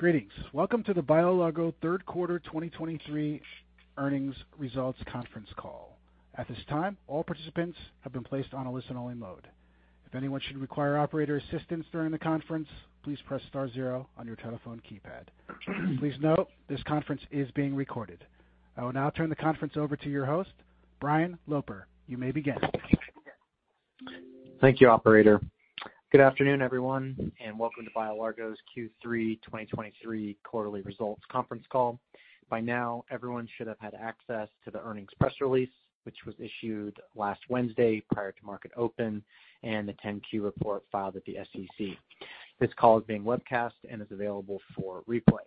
Greetings! Welcome to the BioLargo third quarter 2023 earnings results conference call. At this time, all participants have been placed on a listen-only mode. If anyone should require operator assistance during the conference, please press star zero on your telephone keypad. Please note, this conference is being recorded. I will now turn the conference over to your host, Brian Loper. You may begin. Thank you, operator. Good afternoon, everyone, and welcome to BioLargo's Q3 2023 quarterly results conference call. By now, everyone should have had access to the earnings press release, which was issued last Wednesday prior to market open and the 10-Q report filed at the SEC. This call is being webcast and is available for replay.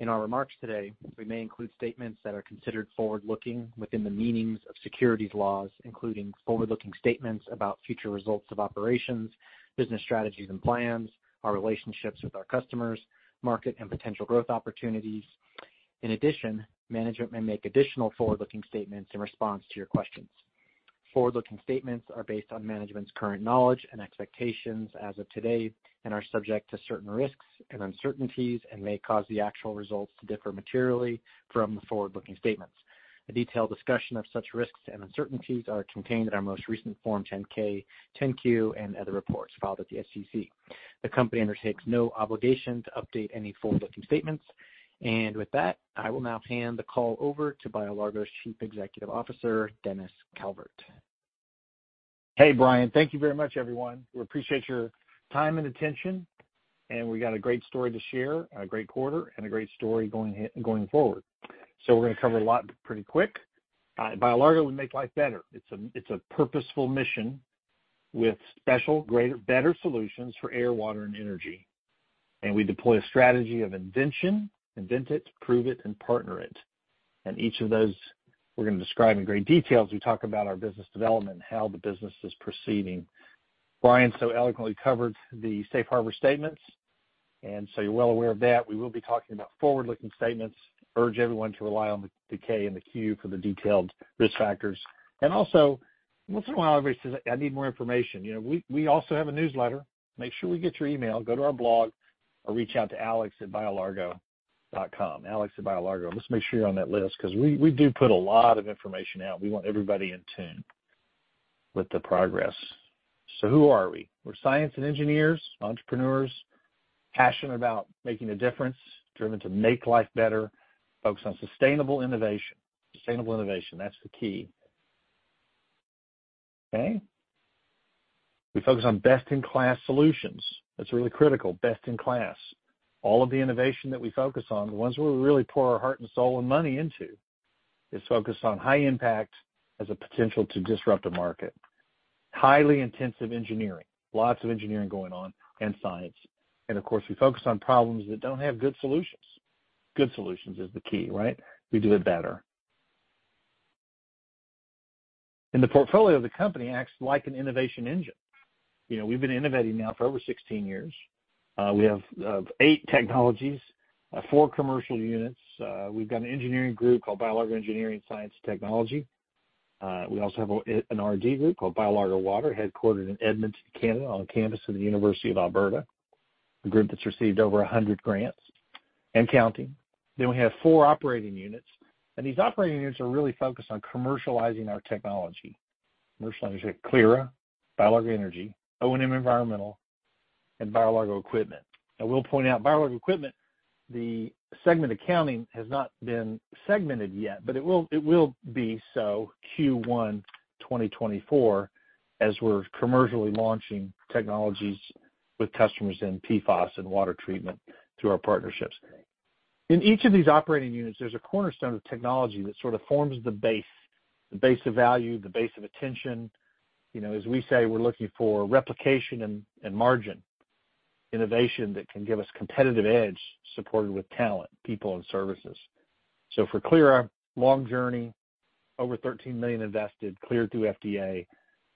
In our remarks today, we may include statements that are considered forward-looking within the meanings of securities laws, including forward-looking statements about future results of operations, business strategies and plans, our relationships with our customers, market and potential growth opportunities. In addition, management may make additional forward-looking statements in response to your questions. Forward-looking statements are based on management's current knowledge and expectations as of today, and are subject to certain risks and uncertainties and may cause the actual results to differ materially from the forward-looking statements. A detailed discussion of such risks and uncertainties are contained in our most recent Form 10-K, 10-Q, and other reports filed at the SEC. The company undertakes no obligation to update any forward-looking statements. With that, I will now hand the call over to BioLargo's Chief Executive Officer, Dennis Calvert. Hey, Brian. Thank you very much, everyone. We appreciate your time and attention, and we got a great story to share, a great quarter, and a great story going forward. So we're gonna cover a lot pretty quick. At BioLargo, we make life better. It's a purposeful mission with special, greater, better solutions for air, water, and energy. And we deploy a strategy of invention, invent it, prove it, and partner it. And each of those, we're gonna describe in great detail as we talk about our business development and how the business is proceeding. Brian so eloquently covered the safe harbor statements, and so you're well aware of that. We will be talking about forward-looking statements. Urge everyone to rely on the 10-K and 10-Q for the detailed risk factors. And also, once in a while, everybody says, "I need more information." You know, we, we also have a newsletter. Make sure we get your email, go to our blog, or reach out to alex@BioLargo.com. Alex at BioLargo. Just make sure you're on that list, 'cause we, we do put a lot of information out. We want everybody in tune with the progress. So who are we? We're science and engineers, entrepreneurs, passionate about making a difference, driven to make life better, focused on sustainable innovation. Sustainable innovation, that's the key. Okay? We focus on best-in-class solutions. That's really critical, best in class. All of the innovation that we focus on, the ones where we really pour our heart and soul and money into, is focused on high impact, has a potential to disrupt a market. Highly intensive engineering, lots of engineering going on, and science. Of course, we focus on problems that don't have good solutions. Good solutions is the key, right? We do it better. And the portfolio of the company acts like an innovation engine. You know, we've been innovating now for over 16 years. We have eight technologies, four commercial units. We've got an engineering group called BioLargo Engineering, Science & Technology. We also have an R&D group called BioLargo Water, headquartered in Edmonton, Canada, on the campus of the University of Alberta, a group that's received over 100 grants and counting. Then we have 4 operating units, and these operating units are really focused on commercializing our technology. Commercializing Clyra, BioLargo Energy, ONM Environmental, and BioLargo Equipment. I will point out, BioLargo Equipment, the segment accounting has not been segmented yet, but it will, it will be so Q1 2024, as we're commercially launching technologies with customers in PFAS and water treatment through our partnerships. In each of these operating units, there's a cornerstone of technology that sort of forms the base, the base of value, the base of attention. You know, as we say, we're looking for replication and, and margin, innovation that can give us competitive edge, supported with talent, people, and services. So for Clyra, long journey, over $13 million invested, cleared through FDA,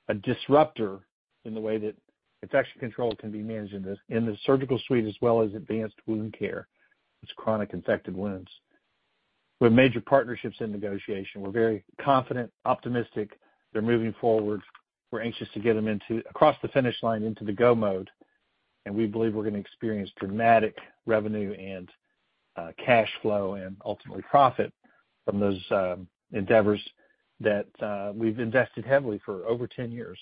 a disruptor in the way that infection control can be managed in this, in the surgical suite, as well as advanced wound care. It's chronic infected wounds. We have major partnerships in negotiation. We're very confident, optimistic. They're moving forward. We're anxious to get them into across the finish line, into the go mode, and we believe we're gonna experience dramatic revenue and cash flow, and ultimately profit from those endeavors that we've invested heavily for over 10 years.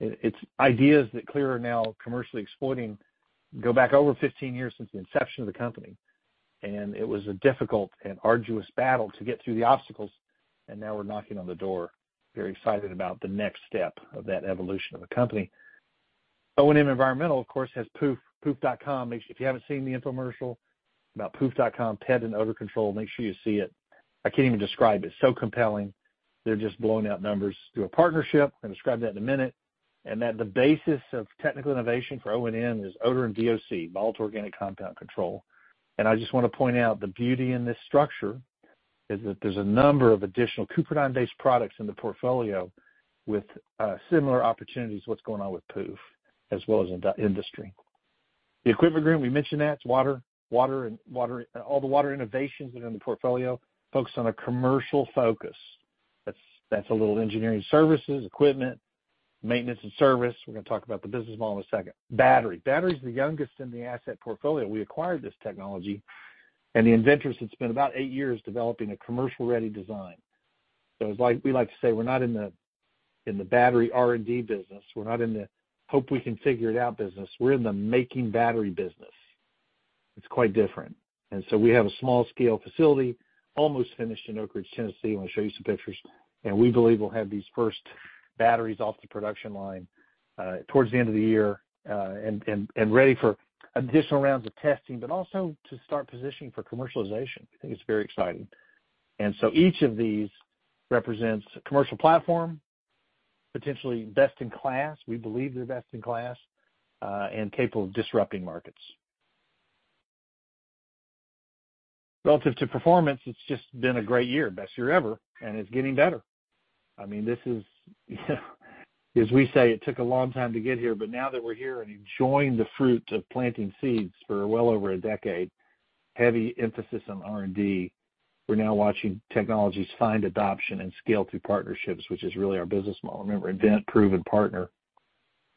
It's ideas that Clyra are now commercially exploiting, go back over 15 years since the inception of the company, and it was a difficult and arduous battle to get through the obstacles, and now we're knocking on the door. Very excited about the next step of that evolution of the company. ONM Environmental, of course, has POOPH, Pooph.com. Make sure if you haven't seen the infomercial about Pooph.com, pet and odor control, make sure you see it. I can't even describe it. It's so compelling. They're just blowing out numbers through a partnership. I'll describe that in a minute. And at the basis of technical innovation for ONM is odor and VOC, volatile organic compound control. And I just want to point out, the beauty in this structure is that there's a number of additional CupriDyne-based products in the portfolio with similar opportunities, what's going on with POOPH, as well as in the industry. The equipment group, we mentioned that, it's water, water, and water—all the water innovations that are in the portfolio, focused on a commercial focus. That's a little engineering services, equipment, maintenance and service. We're gonna talk about the business model in a second. Battery. Battery is the youngest in the asset portfolio. We acquired this technology, and the inventors had spent about eight years developing a commercial-ready design. So it's like, we like to say, we're not in the battery R&D business. We're not in the hope we can figure it out business. We're in the making battery business. It's quite different. So we have a small scale facility, almost finished in Oak Ridge, Tennessee. I'm gonna show you some pictures, and we believe we'll have these first batteries off the production line towards the end of the year, and ready for additional rounds of testing, but also to start positioning for commercialization. I think it's very exciting. So each of these represents a commercial platform, potentially best in class. We believe they're best in class, and capable of disrupting markets. Relative to performance, it's just been a great year, best year ever, and it's getting better. I mean, this is, as we say, it took a long time to get here, but now that we're here and enjoying the fruits of planting seeds for well over a decade, heavy emphasis on R&D, we're now watching technologies find adoption and scale through partnerships, which is really our business model. Remember, invent, prove, and partner.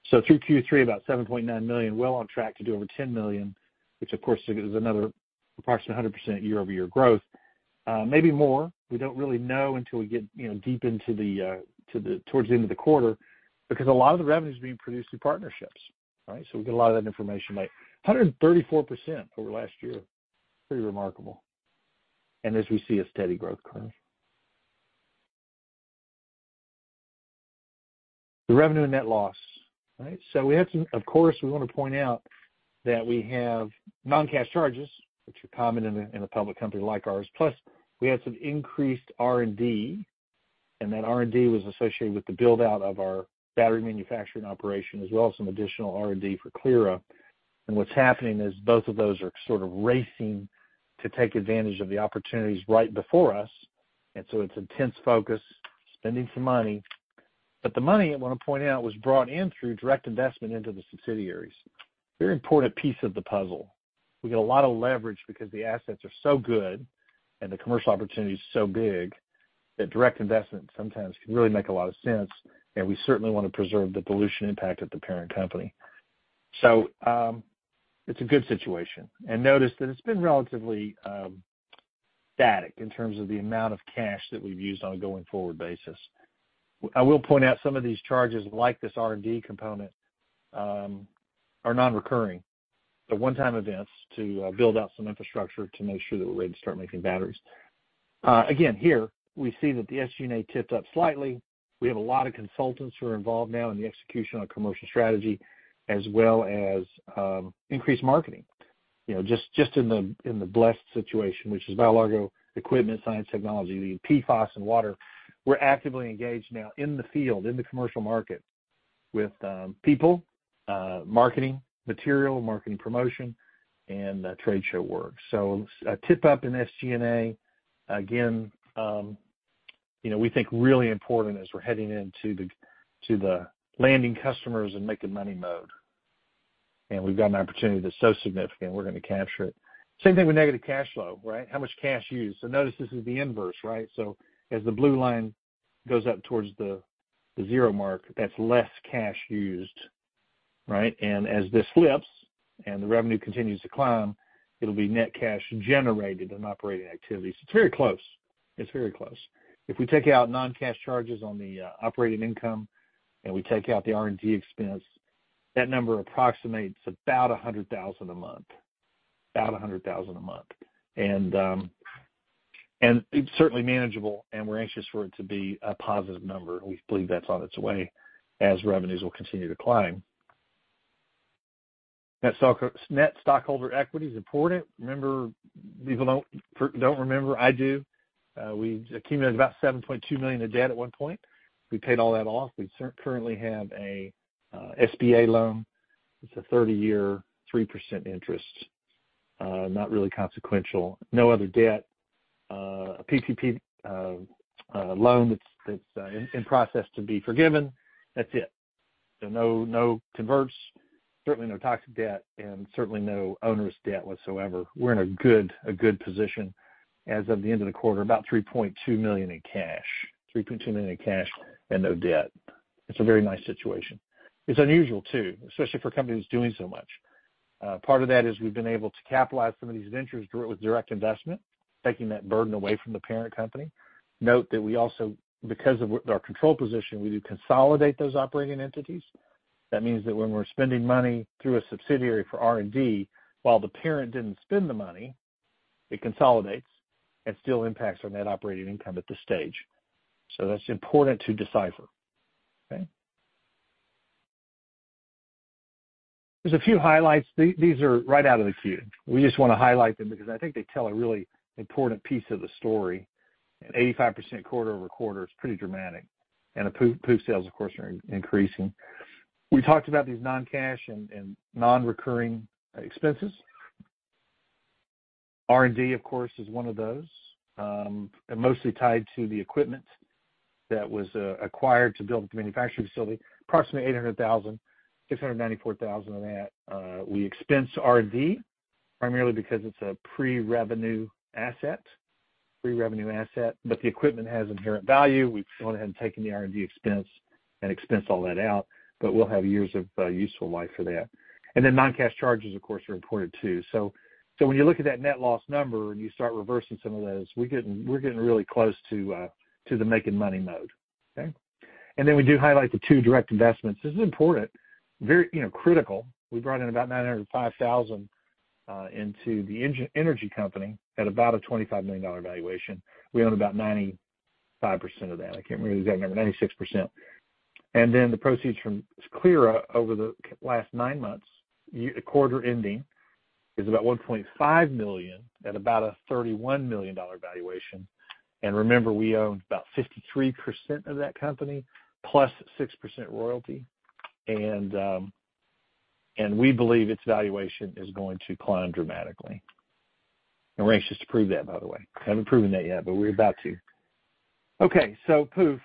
So through Q3, about $7.9 million, well on track to do over $10 million, which, of course, is another approximately 100% year-over-year growth. Maybe more. We don't really know until we get, you know, deep into the towards the end of the quarter, because a lot of the revenue is being produced through partnerships, right? So we get a lot of that information late. 134% over last year. Pretty remarkable. And as we see a steady growth curve. The revenue and net loss, right? So we have some... Of course, we want to point out that we have non-cash charges, which are common in a, in a public company like ours, plus we had some increased R&D, and that R&D was associated with the build-out of our battery manufacturing operation, as well as some additional R&D for Clyra. And what's happening is both of those are sort of racing to take advantage of the opportunities right before us, and so it's intense focus, spending some money. But the money, I wanna point out, was brought in through direct investment into the subsidiaries. Very important piece of the puzzle. We get a lot of leverage because the assets are so good and the commercial opportunity is so big, that direct investment sometimes can really make a lot of sense, and we certainly want to preserve the dilution impact at the parent company. So, it's a good situation. And notice that it's been relatively, static in terms of the amount of cash that we've used on a going-forward basis. I will point out some of these charges, like this R&D component, are non-recurring. They're one-time events to, build out some infrastructure to make sure that we're ready to start making batteries. Again, here, we see that the SG&A tipped up slightly. We have a lot of consultants who are involved now in the execution on commercial strategy, as well as, increased marketing. You know, just in the BLEST situation, which is BioLargo Engineering, Science & Technology, the PFAS and water, we're actively engaged now in the field, in the commercial market, with people, marketing material, marketing promotion, and trade show work. So a tip up in SG&A, again, you know, we think really important as we're heading into the landing customers and making money mode. And we've got an opportunity that's so significant, we're gonna capture it. Same thing with negative cash flow, right? How much cash used. So notice, this is the inverse, right? So as the blue line goes up towards the zero mark, that's less cash used, right? And as this flips and the revenue continues to climb, it'll be net cash generated in operating activities. It's very close. It's very close. If we take out non-cash charges on the operating income, and we take out the R&D expense, that number approximates about $100,000 a month, about $100,000 a month. And it's certainly manageable, and we're anxious for it to be a positive number. We believe that's on its way as revenues will continue to climb. Net stockholder equity is important. Remember, people don't remember, I do. We accumulated about $7.2 million in debt at one point. We paid all that off. We currently have a SBA loan. It's a 30-year, 3% interest, not really consequential. No other debt, a PPP loan that's in process to be forgiven. That's it. So no converts, certainly no toxic debt, and certainly no onerous debt whatsoever. We're in a good, a good position as of the end of the quarter, about $3.2 million in cash. $3.2 million in cash and no debt. It's a very nice situation. It's unusual, too, especially for a company that's doing so much. Part of that is we've been able to capitalize some of these ventures with direct investment, taking that burden away from the parent company. Note that we also, because of our control position, we do consolidate those operating entities. That means that when we're spending money through a subsidiary for R&D, while the parent didn't spend the money, it consolidates and still impacts our net operating income at this stage. So that's important to decipher. Okay? There's a few highlights. These are right out of the Q. We just want to highlight them because I think they tell a really important piece of the story, and 85% quarter-over-quarter is pretty dramatic. The POOPH sales, of course, are increasing. We talked about these non-cash and non-recurring expenses. R&D, of course, is one of those, and mostly tied to the equipment that was acquired to build the manufacturing facility. Approximately $800,000, $694,000 of that we expense R&D, primarily because it's a pre-revenue asset, pre-revenue asset, but the equipment has inherent value. We've gone ahead and taken the R&D expense and expensed all that out, but we'll have years of useful life for that. Then non-cash charges, of course, are important too. So when you look at that net loss number and you start reversing some of those, we're getting really close to the making money mode, okay? And then we do highlight the two direct investments. This is important, very, you know, critical. We brought in about $905,000 into the energy company at about a $25 million valuation. We own about 95% of that. I can't remember the exact number, 96%. And then the proceeds from Clyra over the last nine months, quarter ending, is about $1.5 million at about a $31 million valuation. And remember, we own about 53% of that company, plus 6% royalty. And we believe its valuation is going to climb dramatically. And we're anxious to prove that, by the way. We haven't proven that yet, but we're about to. Okay, so POOPH.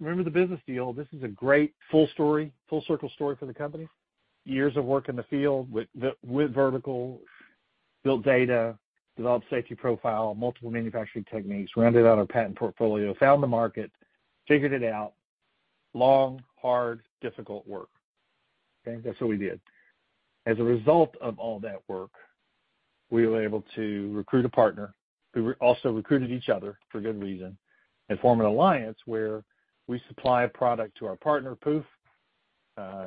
Remember the business deal? This is a great full story, full circle story for the company. Years of work in the field with vertical, built data, developed safety profile, multiple manufacturing techniques, rounded out our patent portfolio, found the market, figured it out. Long, hard, difficult work. Okay? That's what we did. As a result of all that work, we were able to recruit a partner, who also recruited each other for good reason, and form an alliance where we supply a product to our partner, POOPH.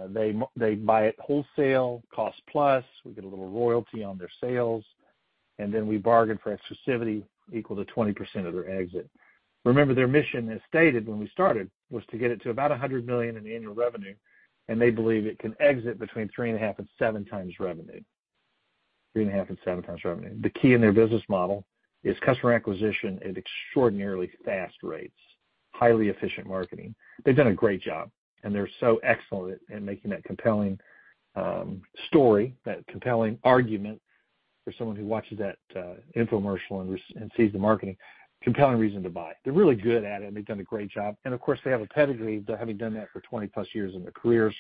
They buy it wholesale, cost plus, we get a little royalty on their sales, and then we bargain for exclusivity equal to 20% of their exit. Remember, their mission, as stated when we started, was to get it to about $100 million in annual revenue, and they believe it can exit between3.5x to 7x revenue. 3.5x to 7x revenue. The key in their business model is customer acquisition at extraordinarily fast rates, highly efficient marketing. They've done a great job, and they're so excellent at, at making that compelling story, that compelling argument for someone who watches that infomercial and sees the marketing, compelling reason to buy. They're really good at it, and they've done a great job. And of course, they have a pedigree to having done that for 20 years+ in their careers.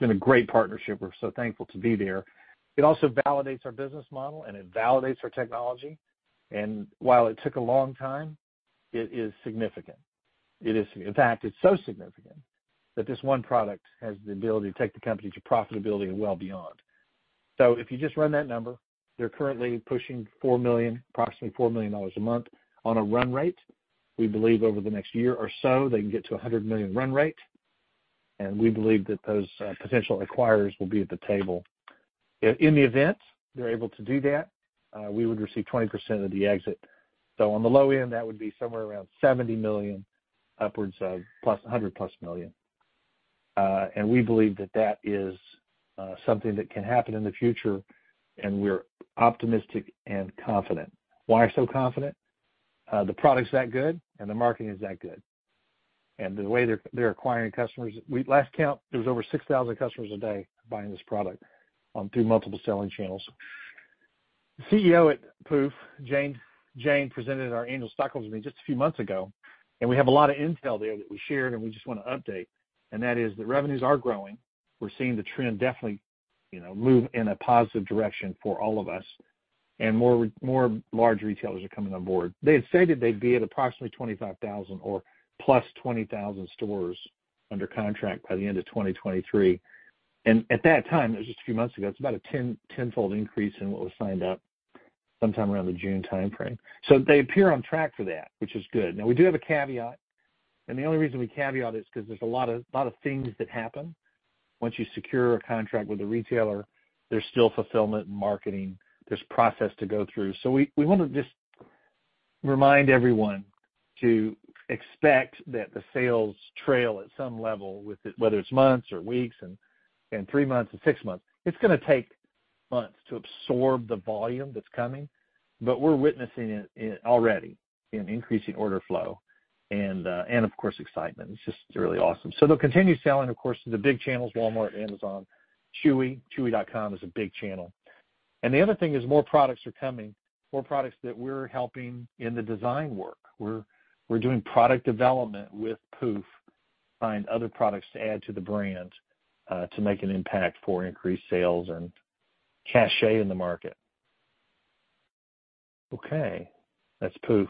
Been a great partnership. We're so thankful to be there. It also validates our business model and it validates our technology. And while it took a long time, it is significant. It is, in fact, it's so significant that this one product has the ability to take the company to profitability and well beyond. So if you just run that number, they're currently pushing $4 million, approximately $4 million a month on a run rate. We believe over the next year or so, they can get to a $100 million run rate, and we believe that those, potential acquirers will be at the table. In the event they're able to do that, we would receive 20% of the exit. So on the low end, that would be somewhere around $70 million, upwards of plus, a $100+ million. And we believe that that is, something that can happen in the future, and we're optimistic and confident. Why so confident? The product's that good and the marketing is that good, and the way they're acquiring customers. Last count, there was over 6,000 customers a day buying this product through multiple selling channels. The CEO at POOPH, Jane, presented at our annual stockholders meeting just a few months ago, and we have a lot of intel there that we shared and we just want to update, and that is that revenues are growing. We're seeing the trend definitely, you know, move in a positive direction for all of us, and more large retailers are coming on board. They had stated they'd be at approximately 25,000 or plus 20,000 stores under contract by the end of 2023. At that time, it was just a few months ago, it's about a 10-fold increase in what was signed up sometime around the June time frame. So they appear on track for that, which is good. Now, we do have a caveat, and the only reason we caveat is because there's a lot of, lot of things that happen once you secure a contract with a retailer. There's still fulfillment and marketing. There's process to go through. So we, we want to just remind everyone to expect that the sales trail at some level, with it whether it's months or weeks and, and three months or six months, it's gonna take months to absorb the volume that's coming, but we're witnessing it, it already in increasing order flow and, and of course, excitement. It's just really awesome. So they'll continue selling, of course, to the big channels, Walmart, Amazon, Chewy. Chewy.com is a big channel. The other thing is more products are coming, more products that we're helping in the design work. We're doing product development with POOPH, find other products to add to the brand, to make an impact for increased sales and cachet in the market. Okay, that's POOPH.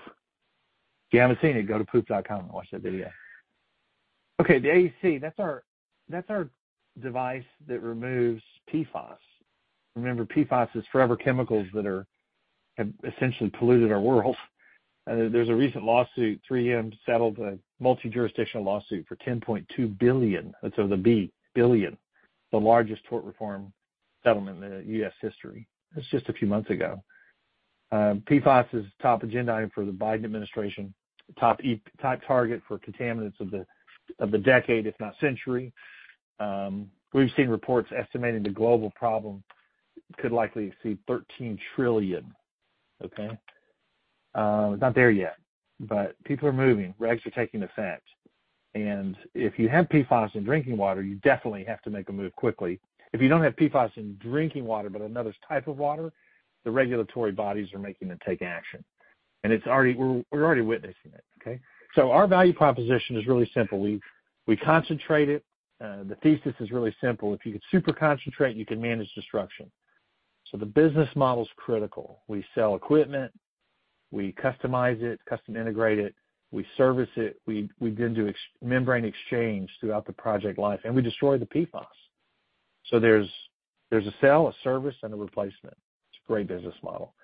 If you haven't seen it, go to Pooph.com and watch that video. Okay, the AEC, that's our device that removes PFAS. Remember, PFAS is forever chemicals that have essentially polluted our world. There's a recent lawsuit, 3M settled a multi-jurisdictional lawsuit for $10.2 billion, billion, the largest tort reform settlement in U.S. history. That's just a few months ago. PFAS is a top agenda item for the Biden administration, top target for contaminants of the decade, if not century. We've seen reports estimating the global problem could likely exceed $13 trillion, okay? Not there yet, but people are moving, regs are taking effect. And if you have PFAS in drinking water, you definitely have to make a move quickly. If you don't have PFAS in drinking water, but another type of water, the regulatory bodies are making them take action, and it's already. We're already witnessing it, okay? So our value proposition is really simple. We concentrate it. The thesis is really simple. If you could super concentrate, you can manage destruction. So the business model is critical. We sell equipment, we customize it, custom integrate it, we service it. We then do exchange membrane exchange throughout the project life, and we destroy the PFAS. So there's a sale, a service, and a replacement. It's a great business model.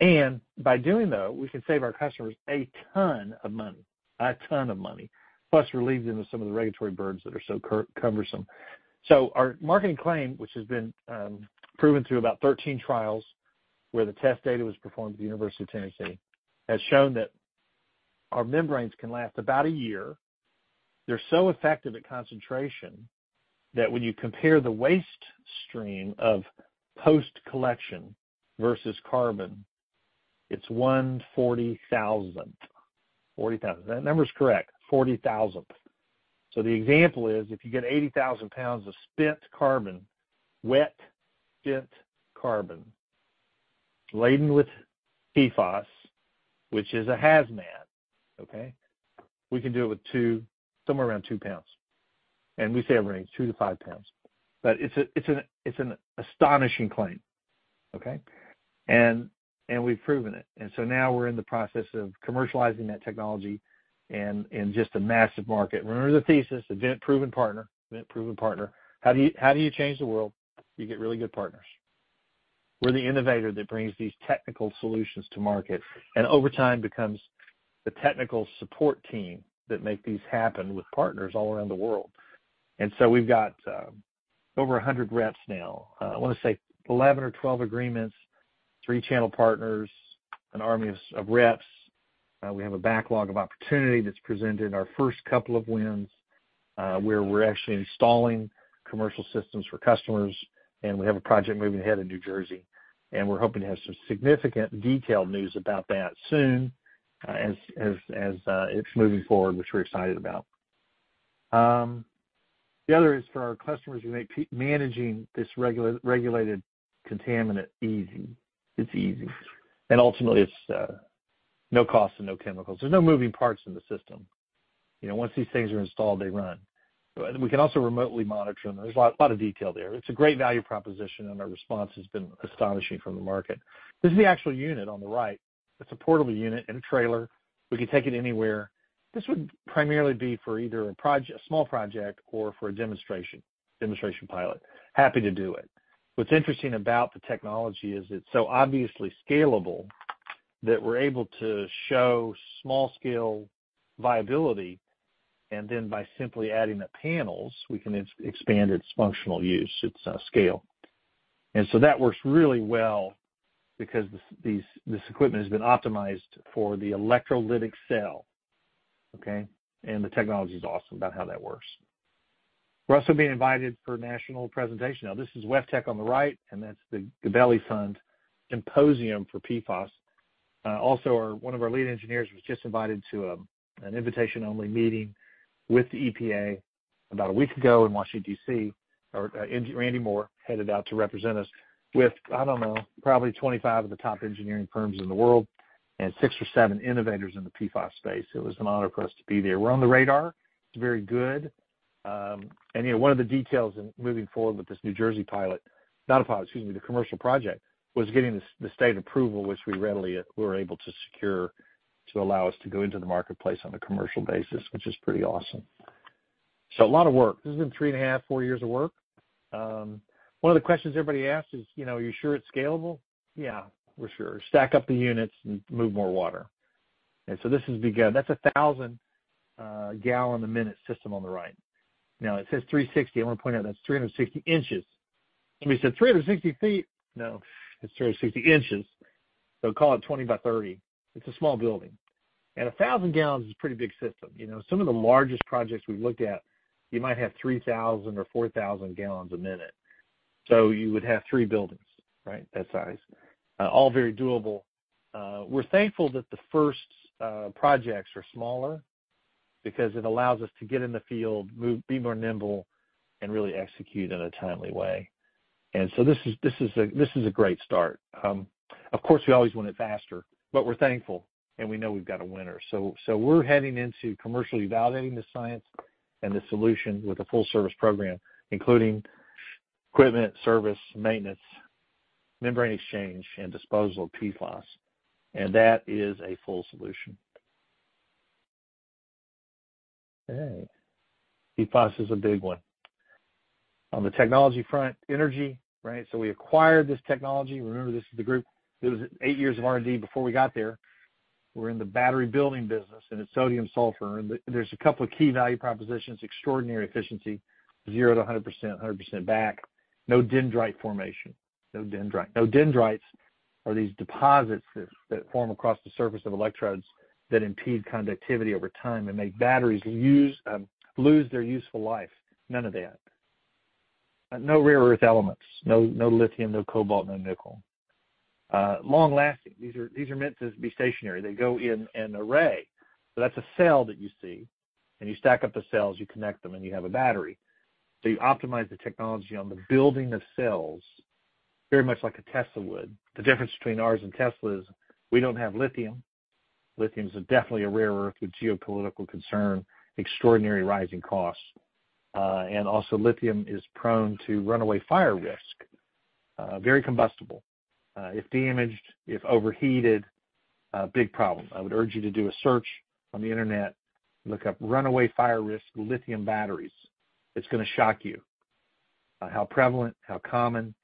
And by doing that, we can save our customers a ton of money, a ton of money, plus relieve them of some of the regulatory burdens that are so cumbersome. So our marketing claim, which has been proven through about 13 trials, where the test data was performed at the University of Tennessee, has shown that our membranes can last about a year. They're so effective at concentration, that when you compare the waste stream of post-collection versus carbon, it's 1/40,000th. 1/40,000th. That number is correct, 1/40,000th. So the example is, if you get 80,000 pounds of spent carbon, wet spent carbon, laden with PFAS, which is a hazmat, okay? We can do it with 2, somewhere around 2 pounds, and we say a range, 2-5 pounds. But it's a, it's an, it's an astonishing claim, okay? And we've proven it. So now we're in the process of commercializing that technology in just a massive market. Remember the thesis, invent proven partner. Invent proven partner. How do you change the world? You get really good partners. We're the innovator that brings these technical solutions to market, and over time, becomes the technical support team that make these happen with partners all around the world. So we've got over 100 reps now. I wanna say 11 or 12 agreements, 3 channel partners, an army of reps. We have a backlog of opportunity that's presented in our first couple of wins, where we're actually installing commercial systems for customers, and we have a project moving ahead in New Jersey, and we're hoping to have some significant detailed news about that soon, as it's moving forward, which we're excited about. The other is for our customers, we make PFAS managing this regulated contaminant easy. It's easy. And ultimately, it's no cost and no chemicals. There's no moving parts in the system. You know, once these things are installed, they run. We can also remotely monitor them. There's a lot, a lot of detail there. It's a great value proposition, and our response has been astonishing from the market. This is the actual unit on the right. It's a portable unit in a trailer. We can take it anywhere. This would primarily be for either a small project or for a demonstration pilot. Happy to do it. What's interesting about the technology is it's so obviously scalable that we're able to show small scale viability, and then by simply adding the panels, we can expand its functional use, its scale. And so that works really well because this equipment has been optimized for the electrolytic cell, okay? And the technology is awesome about how that works. We're also being invited for a national presentation. Now, this is WEFTEC on the right, and that's the Gabelli Funds Symposium for PFAS. Also, one of our lead engineers was just invited to an invitation-only meeting with the EPA about a week ago in Washington, D.C. Randy Moore headed out to represent us with, I don't know, probably 25 of the top engineering firms in the world and 6 or 7 innovators in the PFAS space. It was an honor for us to be there. We're on the radar. It's very good. And, you know, one of the details in moving forward with this New Jersey pilot, not a pilot, excuse me, the commercial project, was getting the state approval, which we readily were able to secure to allow us to go into the marketplace on a commercial basis, which is pretty awesome. So a lot of work. This has been 3.5, 4 years of work. One of the questions everybody asks is: You know, are you sure it's scalable? Yeah, we're sure. Stack up the units and move more water. And so this has begun. That's a 1,000-gallon-a-minute system on the right. Now, it says 360. I want to point out, that's 360 inches. Somebody said, "360 feet?" No, it's 360 inches. So call it 20 by 30. It's a small building, and a 1,000 gallons is a pretty big system. You know, some of the largest projects we've looked at, you might have 3,000 or 4,000 gallons a minute. So you would have three buildings, right, that size. All very doable. We're thankful that the first projects are smaller, because it allows us to get in the field, move, be more nimble, and really execute in a timely way. And so this is, this is a, this is a great start. Of course, we always want it faster, but we're thankful, and we know we've got a winner. So we're heading into commercially validating the science and the solution with a full service program, including equipment, service, maintenance, membrane exchange, and disposal of PFAS. And that is a full solution. Okay. PFAS is a big one. On the technology front, energy, right? So we acquired this technology. Remember, this is the group. It was eight years of R&D before we got there. We're in the battery-building business, and it's sodium sulfur. And there's a couple of key value propositions, extraordinary efficiency, zero to 100%, 100% back. No dendrite formation. No dendrite. Now, dendrites are these deposits that form across the surface of electrodes that impede conductivity over time and make batteries use, lose their useful life. None of that. No rare earth elements, no, no lithium, no cobalt, no nickel. Long lasting. These are, these are meant to be stationary. They go in an array. So that's a cell that you see, and you stack up the cells, you connect them, and you have a battery. So you optimize the technology on the building of cells, very much like a Tesla would. The difference between ours and Tesla is, we don't have lithium.... lithium is definitely a rare earth with geopolitical concern, extraordinary rising costs. And also lithium is prone to runaway fire risk, very combustible. If damaged, if overheated, a big problem. I would urge you to do a search on the internet. Look up runaway fire risk, lithium batteries. It's gonna shock you, how prevalent, how common,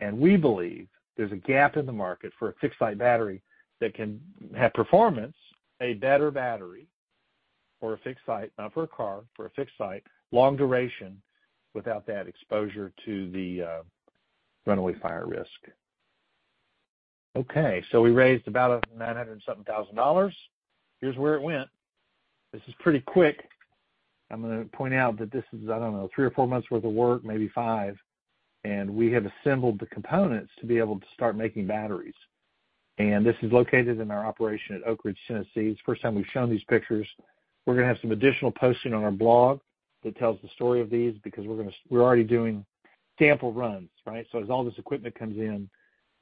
and we believe there's a gap in the market for a fixed-site battery that can have performance, a better battery for a fixed site, not for a car, for a fixed site, long duration, without that exposure to the, runaway fire risk. Okay, so we raised about $900-something thousand. Here's where it went. This is pretty quick. I'm gonna point out that this is, I don't know, three or four months worth of work, maybe five, and we have assembled the components to be able to start making batteries. This is located in our operation at Oak Ridge, Tennessee. It's the first time we've shown these pictures. We're gonna have some additional posting on our blog that tells the story of these, because we're already doing sample runs, right? So as all this equipment comes in,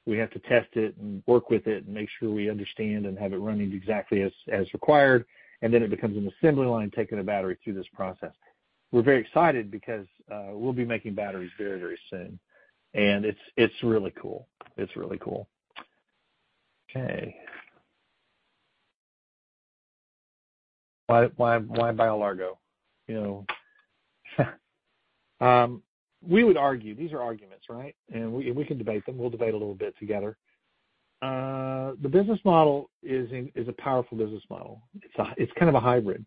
we have to test it and work with it and make sure we understand and have it running exactly as required, and then it becomes an assembly line, taking a battery through this process. We're very excited because we'll be making batteries very, very soon, and it's really cool. It's really cool. Okay. Why, why, why buy BioLargo? You know, we would argue, these are arguments, right? And we, and we can debate them. We'll debate a little bit together. The business model is a powerful business model. It's kind of a hybrid.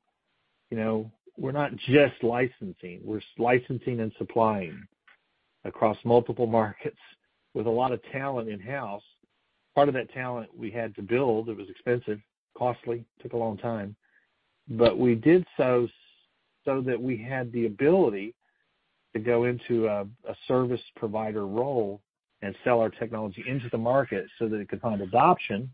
You know, we're not just licensing. We're licensing and supplying across multiple markets with a lot of talent in-house. Part of that talent we had to build, it was expensive, costly, took a long time, but we did so, so that we had the ability to go into a, a service provider role and sell our technology into the market so that it could find adoption.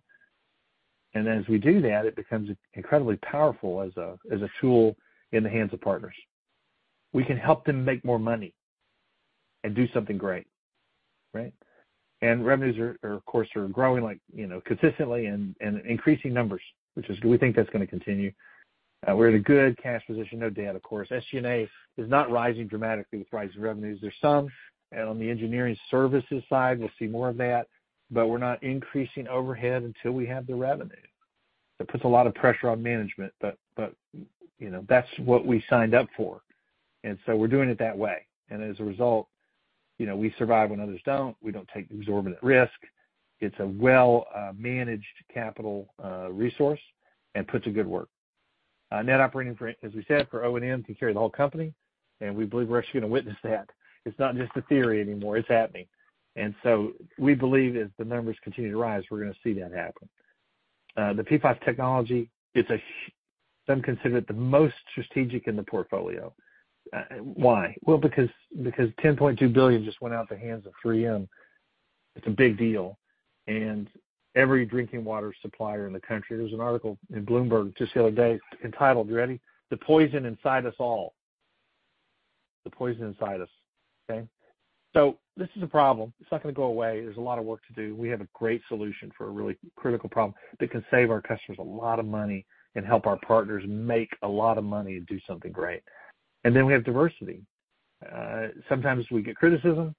And as we do that, it becomes incredibly powerful as a, as a tool in the hands of partners. We can help them make more money and do something great, right? And revenues are, are of course, are growing like, you know, consistently and, and increasing numbers, which is, we think that's gonna continue. We're in a good cash position. No debt, of course. SG&A is not rising dramatically with rising revenues. There's some, and on the engineering services side, we'll see more of that, but we're not increasing overhead until we have the revenue. That puts a lot of pressure on management, but, but, you know, that's what we signed up for, and so we're doing it that way. And as a result, you know, we survive when others don't. We don't take exorbitant risk. It's a well, managed capital, resource and puts a good work. Net operating for, as we said, for ONM, can carry the whole company, and we believe we're actually gonna witness that. It's not just a theory anymore. It's happening. And so we believe as the numbers continue to rise, we're gonna see that happen. The PFAS technology, it's a, some consider it the most strategic in the portfolio. Why? Well, because, because $10.2 billion just went out the hands of 3M, it's a big deal. And every drinking water supplier in the country... There was an article in Bloomberg just the other day entitled, you ready? The Poison Inside Us All. The Poison Inside Us, okay? So this is a problem. It's not gonna go away. There's a lot of work to do. We have a great solution for a really critical problem that can save our customers a lot of money and help our partners make a lot of money and do something great. And then we have diversity. Sometimes we get criticism.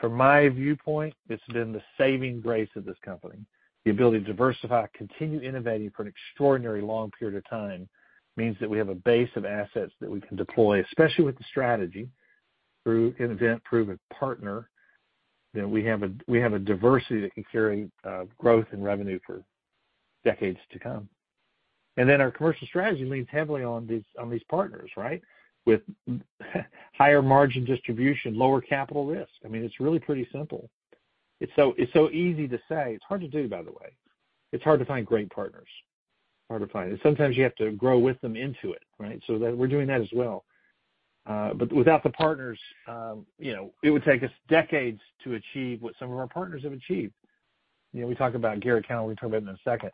From my viewpoint, it's been the saving grace of this company. The ability to diversify, continue innovating for an extraordinary long period of time, means that we have a base of assets that we can deploy, especially with the strategy, through invent, prove, and partner, then we have a diversity that can carry, growth and revenue for decades to come. And then our commercial strategy leans heavily on these, on these partners, right? With higher margin distribution, lower capital risk. I mean, it's really pretty simple. It's so, it's so easy to say. It's hard to do, by the way. It's hard to find great partners. Hard to find, and sometimes you have to grow with them into it, right? So that, we're doing that as well. But without the partners, you know, it would take us decades to achieve what some of our partners have achieved. You know, we talk about Garratt-Callahan, we'll talk about it in a second.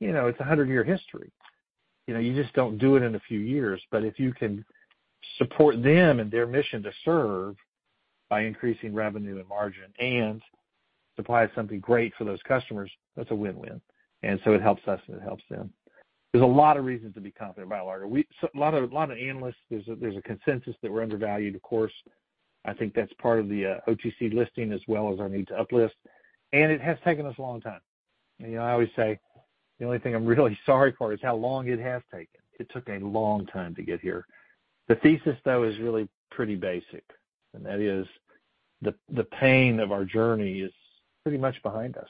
You know, it's a hundred-year history. You know, you just don't do it in a few years. But if you can support them and their mission to serve by increasing revenue and margin, and supply something great for those customers, that's a win-win. And so it helps us, and it helps them. There's a lot of reasons to be confident in BioLargo. So a lot of analysts, there's a consensus that we're undervalued, of course. I think that's part of the OTC listing, as well as our need to uplist, and it has taken us a long time. You know, I always say, the only thing I'm really sorry for is how long it has taken. It took a long time to get here. The thesis, though, is really pretty basic, and that is, the pain of our journey is pretty much behind us.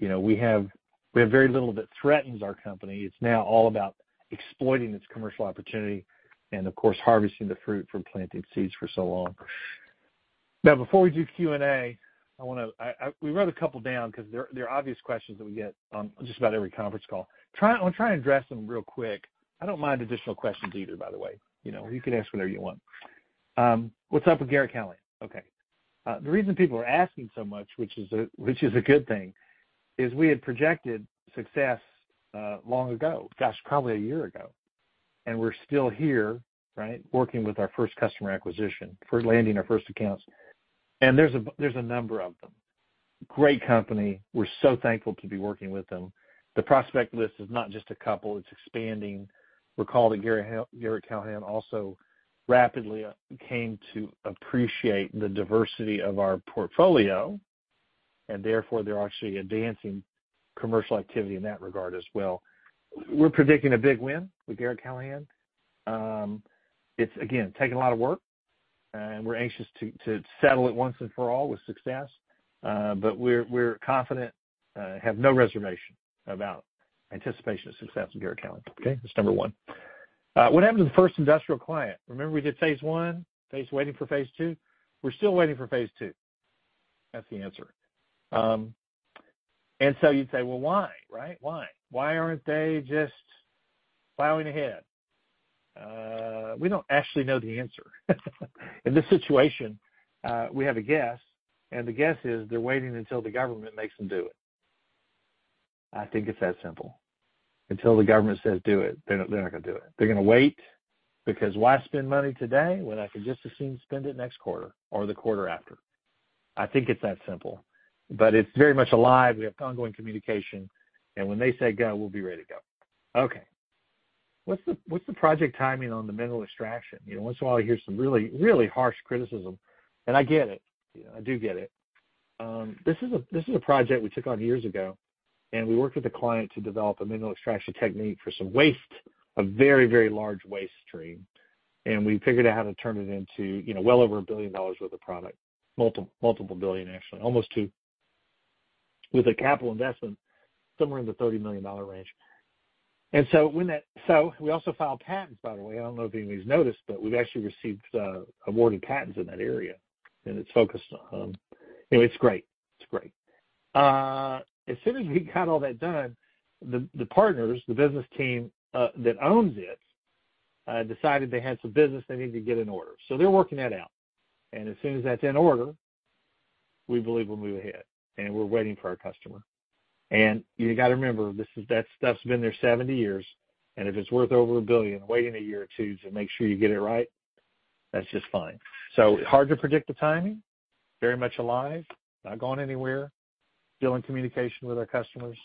You know, we have very little that threatens our company. It's now all about exploiting this commercial opportunity and, of course, harvesting the fruit from planting seeds for so long. Now, before we do Q&A, I wanna... We wrote a couple down because they're obvious questions that we get on just about every conference call. I'm gonna try and address them real quick. I don't mind additional questions either, by the way. You know, you can ask whatever you want. What's up with Garratt-Callahan? Okay. The reason people are asking so much, which is a good thing, is we had projected success long ago. Gosh, probably a year ago, and we're still here, right? Working with our first customer acquisition, first landing our first accounts, and there's a number of them. Great company. We're so thankful to be working with them. The prospect list is not just a couple, it's expanding. Recall that Garratt-Callahan also rapidly came to appreciate the diversity of our portfolio, and therefore, they're actually advancing commercial activity in that regard as well. We're predicting a big win with Garratt-Callahan. It's again taking a lot of work, and we're anxious to settle it once and for all with success. But we're confident, have no reservation about anticipation of success with Garratt-Callahan. Okay, that's number one. What happened to the first industrial client? Remember we did phase one, waiting for phase two? We're still waiting for phase two. That's the answer. And so you'd say, "Well, why?" Right? Why? Why aren't they just plowing ahead? We don't actually know the answer. In this situation, we have a guess, and the guess is they're waiting until the government makes them do it. I think it's that simple. Until the government says, "Do it," they're not gonna do it. They're gonna wait, because why spend money today when I could just as soon spend it next quarter or the quarter after? I think it's that simple, but it's very much alive. We have ongoing communication, and when they say, "Go," we'll be ready to go. Okay. What's the project timing on the mineral extraction? You know, once in a while I hear some really, really harsh criticism, and I get it. You know, I do get it. This is a project we took on years ago, and we worked with the client to develop a mineral extraction technique for some waste, a very, very large waste stream. And we figured out how to turn it into, you know, well over $1 billion worth of product. Multiple billion, actually almost $2 billion, with a capital investment somewhere in the $30 million range. So we also filed patents, by the way. I don't know if anybody's noticed, but we've actually received awarded patents in that area, and it's focused on. Anyway, it's great. It's great. As soon as we got all that done, the partners, the business team that owns it decided they had some business they needed to get in order. So they're working that out. And as soon as that's in order, we believe we'll move ahead, and we're waiting for our customer. And you gotta remember, this is that stuff's been there 70 years, and if it's worth over $1 billion, waiting a year or two to make sure you get it right, that's just fine. So hard to predict the timing, very much alive, not going anywhere, still in communication with our customers,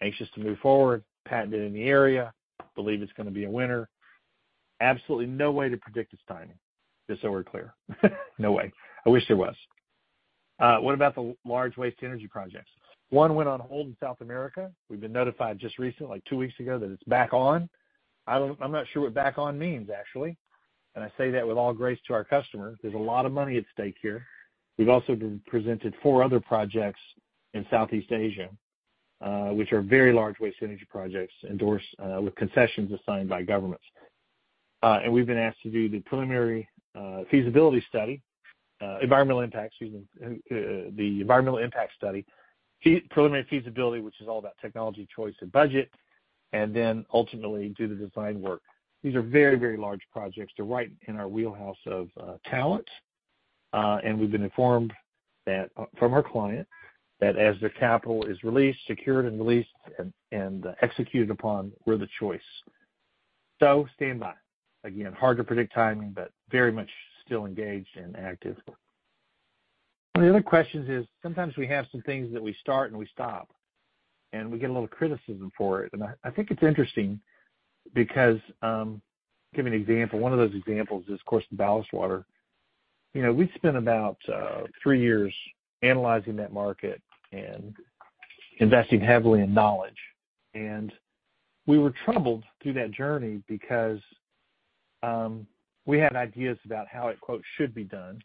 anxious to move forward, patented in the area, believe it's gonna be a winner. Absolutely no way to predict its timing, just so we're clear. No way. I wish there was. What about the large waste-to-energy projects? One went on hold in South America. We've been notified just recently, like two weeks ago, that it's back on. I don't- I'm not sure what back on means, actually, and I say that with all grace to our customer. There's a lot of money at stake here. We've also been presented four other projects in Southeast Asia, which are very large waste-to-energy projects, endorsed, with concessions assigned by governments. And we've been asked to do the preliminary feasibility study, environmental impact, excuse me, the environmental impact study, preliminary feasibility, which is all about technology choice, and budget, and then ultimately do the design work. These are very, very large projects. They're right in our wheelhouse of talent. And we've been informed that, from our client, that as their capital is released, secured and released, and executed upon, we're the choice. So stand by. Again, hard to predict timing, but very much still engaged and active. One of the other questions is, sometimes we have some things that we start and we stop, and we get a little criticism for it. And I think it's interesting because, give you an example. One of those examples is, of course, the ballast water. You know, we spent about three years analyzing that market and investing heavily in knowledge. We were troubled through that journey because we had ideas about how it, quote, "should be done."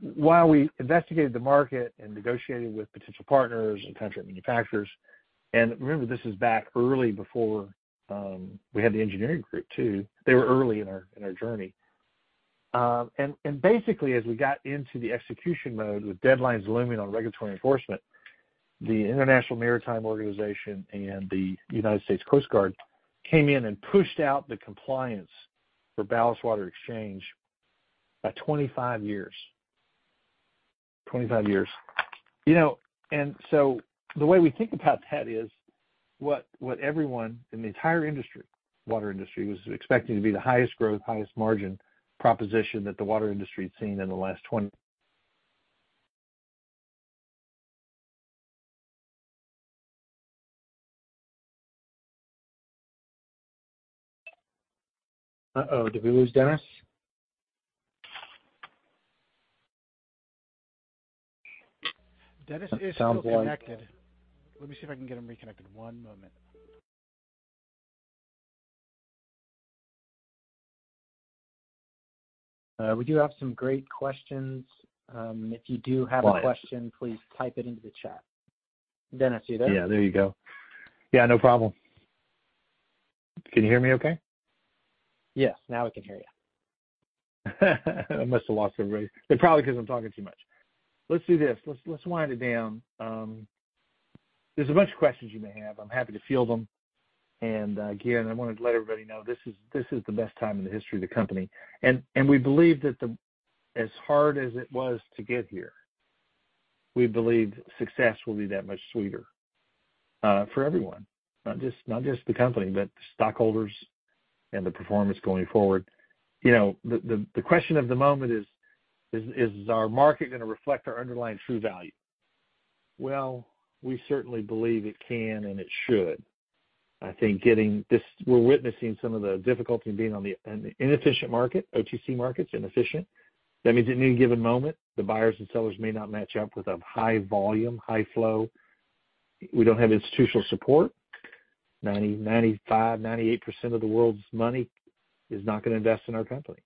While we investigated the market and negotiated with potential partners and contract manufacturers, and remember, this is back early before we had the engineering group, too. They were early in our journey. Basically, as we got into the execution mode, with deadlines looming on regulatory enforcement, the International Maritime Organization and the United States Coast Guard came in and pushed out the compliance for ballast water exchange by 25 years. 25 years. You know, and so the way we think about that is, what, what everyone in the entire industry, water industry, was expecting to be the highest growth, highest margin proposition that the water industry had seen in the last 20 [inaudible] Uh-oh, did we lose Dennis? Dennis is still connected. Sounds like. Let me see if I can get him reconnected. One moment. We do have some great questions. If you do have a question, please type it into the chat. Dennis, are you there? Yeah, there you go. Yeah, no problem. Can you hear me okay? Yes, now we can hear you. I must have lost everybody. It's probably because I'm talking too much. Let's do this. Let's wind it down. There's a bunch of questions you may have. I'm happy to field them. And again, I want to let everybody know this is the best time in the history of the company. And we believe that as hard as it was to get here, we believe success will be that much sweeter for everyone, not just the company, but the stockholders and the performance going forward. You know, the question of the moment is: Our market going to reflect our underlying true value? Well, we certainly believe it can and it should. I think getting this we're witnessing some of the difficulty in being on the inefficient market. OTC market's inefficient. That means at any given moment, the buyers and sellers may not match up with a high volume, high flow. We don't have institutional support. 90, 95, 98% of the world's money is not gonna invest in our company,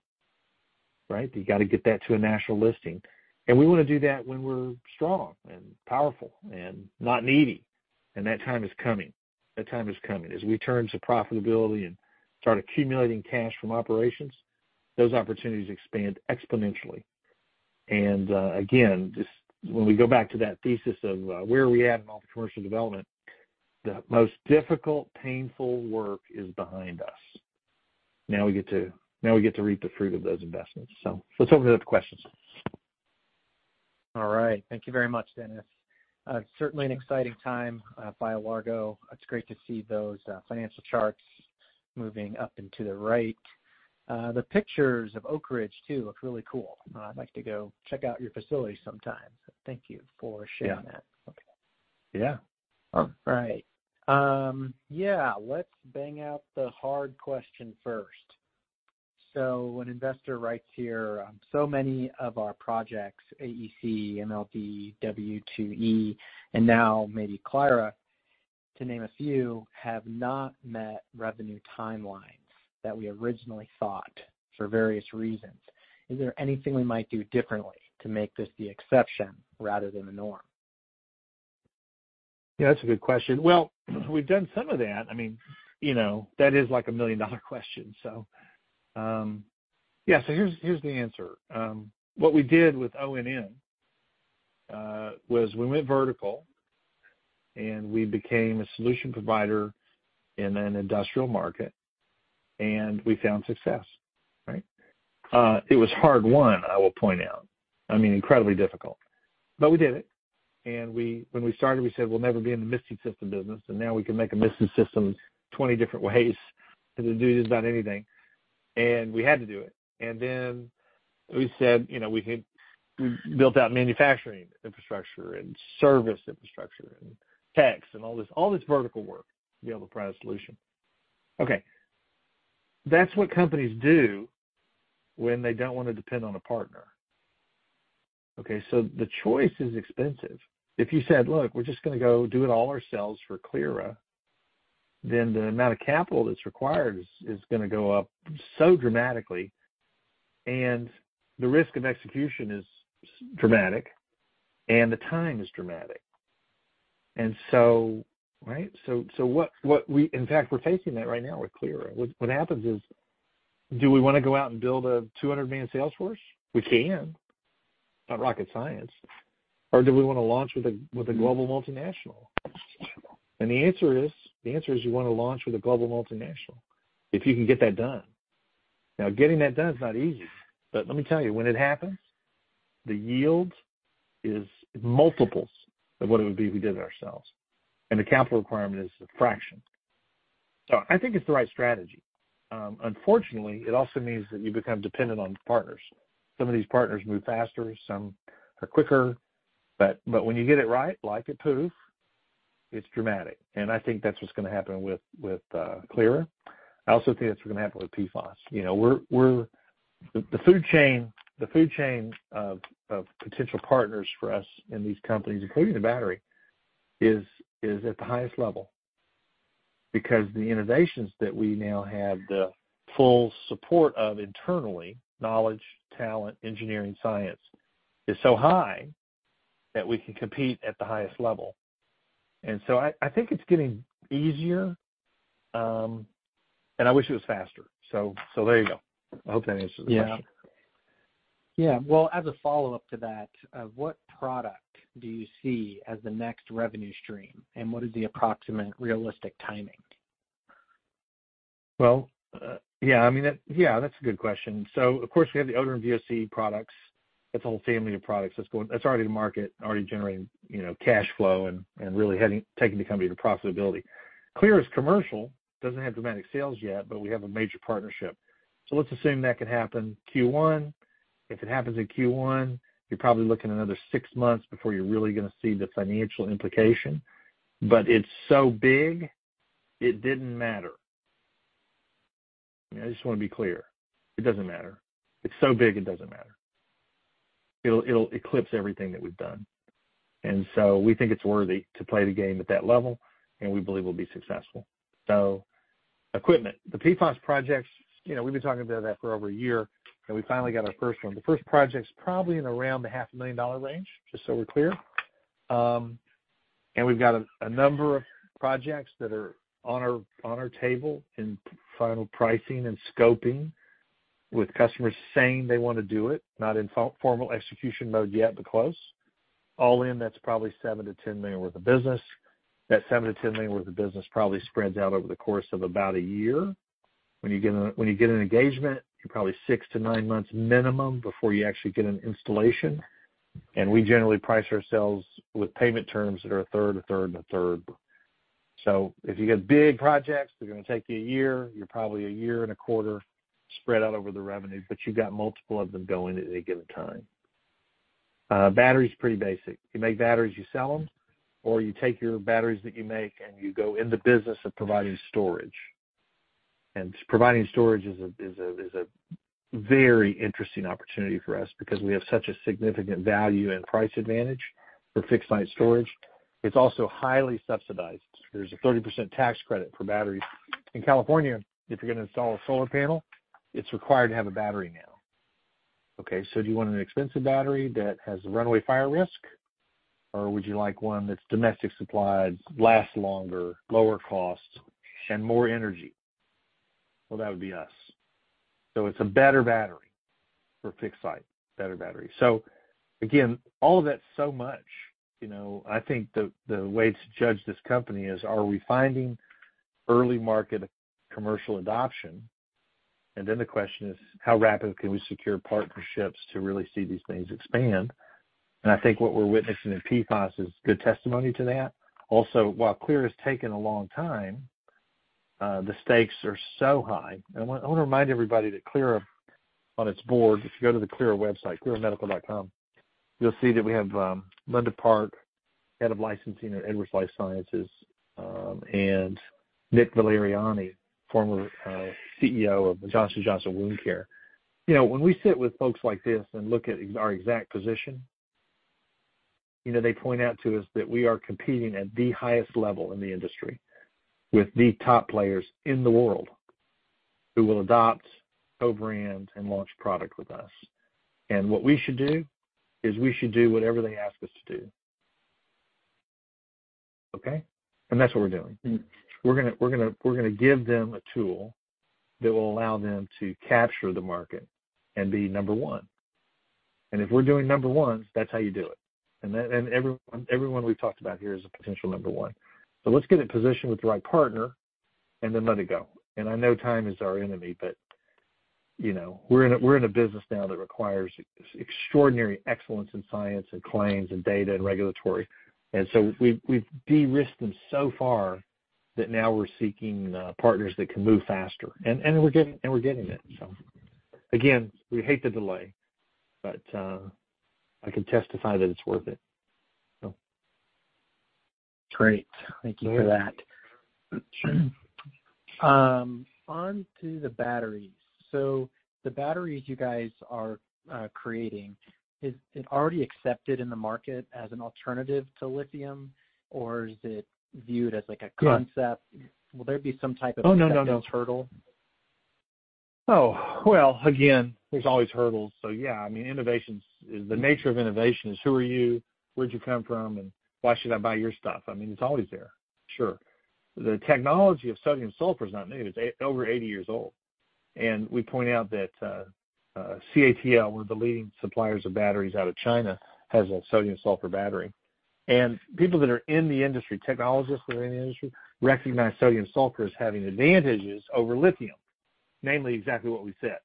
right? You got to get that to a national listing. And we wanna do that when we're strong and powerful and not needy, and that time is coming. That time is coming. As we turn to profitability and start accumulating cash from operations, those opportunities expand exponentially. And, again, just when we go back to that thesis of, where are we at in all the commercial development, the most difficult, painful work is behind us. Now we get to, now we get to reap the fruit of those investments. So let's open it up to questions. All right. Thank you very much, Dennis. Certainly an exciting time, BioLargo. It's great to see those financial charts moving up and to the right. The pictures of Oak Ridge, too, look really cool. I'd like to go check out your facility sometime. Thank you for sharing that. All right. Yeah, let's bang out the hard question first. So an investor writes here: So many of our projects, AEC, MLD, W2E, and now maybe Clyra, to name a few, have not met revenue timelines that we originally thought for various reasons. Is there anything we might do differently to make this the exception rather than the norm? Yeah, that's a good question. Well, we've done some of that. I mean, you know, that is like a million-dollar question. So, yeah, here's the answer. What we did with ONM was we went vertical, and we became a solution provider in an industrial market, and we found success, right? It was hard-won, I will point out. I mean, incredibly difficult, but we did it. And when we started, we said, "We'll never be in the misting system business," and now we can make a misting systems 20 different ways and do just about anything. And we had to do it. And then we said, you know, we had built out manufacturing infrastructure and service infrastructure and tech and all this vertical work to be able to provide a solution. Okay, that's what companies do when they don't want to depend on a partner, okay? So the choice is expensive. If you said, "Look, we're just gonna go do it all ourselves for Clyra," then the amount of capital that's required is gonna go up so dramatically, and the risk of execution is dramatic, and the time is dramatic. And so, right. So what we... In fact, we're facing that right now with Clyra. What happens is, do we wanna go out and build a $200 million sales force? We can. Not rocket science. Or do we wanna launch with a global multinational? And the answer is, the answer is you want to launch with a global multinational, if you can get that done. Now, getting that done is not easy, but let me tell you, when it happens, the yield is multiples of what it would be if we did it ourselves, and the capital requirement is a fraction. So I think it's the right strategy. Unfortunately, it also means that you become dependent on partners. Some of these partners move faster, some are quicker, but when you get it right, like at POOPH, it's dramatic. And I think that's what's gonna happen with Clyra. I also think that's what's gonna happen with PFAS. You know, we're the food chain of potential partners for us in these companies, including the battery, is at the highest level because the innovations that we now have, the full support of internally, knowledge, talent, engineering, science, is so high that we can compete at the highest level. And so I think it's getting easier, and I wish it was faster. So there you go. I hope that answers the question. Yeah. Yeah. Well, as a follow-up to that, what product do you see as the next revenue stream, and what is the approximate realistic timing? Well, yeah, I mean, yeah, that's a good question. So of course, we have the odor and VOC products. That's a whole family of products that's going, that's already in the market, already generating, you know, cash flow and, and really heading, taking the company to profitability. Clyra is commercial. Doesn't have dramatic sales yet, but we have a major partnership. So let's assume that could happen Q1. If it happens in Q1, you're probably looking another six months before you're really gonna see the financial implication. But it's so big, it didn't matter. I just want to be clear: It doesn't matter. It's so big, it doesn't matter. It'll, it'll eclipse everything that we've done, and so we think it's worthy to play the game at that level, and we believe we'll be successful. So equipment, the PFAS projects, you know, we've been talking about that for over a year, and we finally got our first one. The first project's probably in around the $500,000 range, just so we're clear. And we've got a number of projects that are on our table in final pricing and scoping with customers saying they want to do it. Not in formal execution mode yet, but close. All in, that's probably $7 to 10 million worth of business. That $7 to 10 million worth of business probably spreads out over the course of about a year. When you get an engagement, you're probably six to nine months minimum before you actually get an installation. And we generally price ourselves with payment terms that are a third, a third, and a third. So if you get big projects, they're gonna take you a year, you're probably a year and a quarter spread out over the revenue, but you've got multiple of them going at any given time. Battery is pretty basic. You make batteries, you sell them, or you take your batteries that you make, and you go in the business of providing storage. And providing storage is a very interesting opportunity for us because we have such a significant value and price advantage for fixed-site storage. It's also highly subsidized. There's a 30% tax credit for batteries. In California, if you're gonna install a solar panel, it's required to have a battery now. Okay, so do you want an expensive battery that has a runaway fire risk, or would you like one that's domestic supplied, lasts longer, lower cost, and more energy? Well, that would be us. So it's a better battery for fixed site, better battery. So again, all of that's so much, you know, I think the way to judge this company is, are we finding early market commercial adoption? And then the question is: How rapidly can we secure partnerships to really see these things expand? And I think what we're witnessing in PFAS is good testimony to that. Also, while Clyra is taking a long time, the stakes are so high. And I wanna remind everybody that Clyra, on its board, if you go to the Clyra website, clyramedical.com, you'll see that we have Linda Park, head of licensing at Edwards Lifesciences, and Nick Valeriani, former CEO of Johnson & Johnson Wound Care. You know, when we sit with folks like this and look at our exact position, you know, they point out to us that we are competing at the highest level in the industry with the top players in the world, who will adopt, co-brand, and launch product with us. And what we should do is we should do whatever they ask us to do. Okay? And that's what we're doing. We're gonna give them a tool that will allow them to capture the market and be number one. And if we're doing number one, that's how you do it. And then everyone we've talked about here is a potential number one. So let's get it positioned with the right partner and then let it go. I know time is our enemy, but, you know, we're in a, we're in a business now that requires extraordinary excellence in science and claims and data and regulatory, and so we've, we've de-risked them so far that now we're seeking partners that can move faster, and, and we're getting, and we're getting it. So again, we hate the delay, but I can testify that it's worth it, so. Great. Thank you for that. On to the batteries. So the batteries you guys are creating, is it already accepted in the market as an alternative to lithium, or is it viewed as, like, a concept? Will there be some type of. Oh, no, no, no Acceptance hurdle? Oh, well, again, there's always hurdles, so yeah. I mean, innovation's, the nature of innovation is who are you? Where'd you come from? And why should I buy your stuff? I mean, it's always there. Sure. The technology of sodium sulfur is not new. It's over 80 years old, and we point out that CATL, one of the leading suppliers of batteries out of China, has a sodium sulfur battery. And people that are in the industry, technologists that are in the industry, recognize sodium sulfur as having advantages over lithium, namely exactly what we said,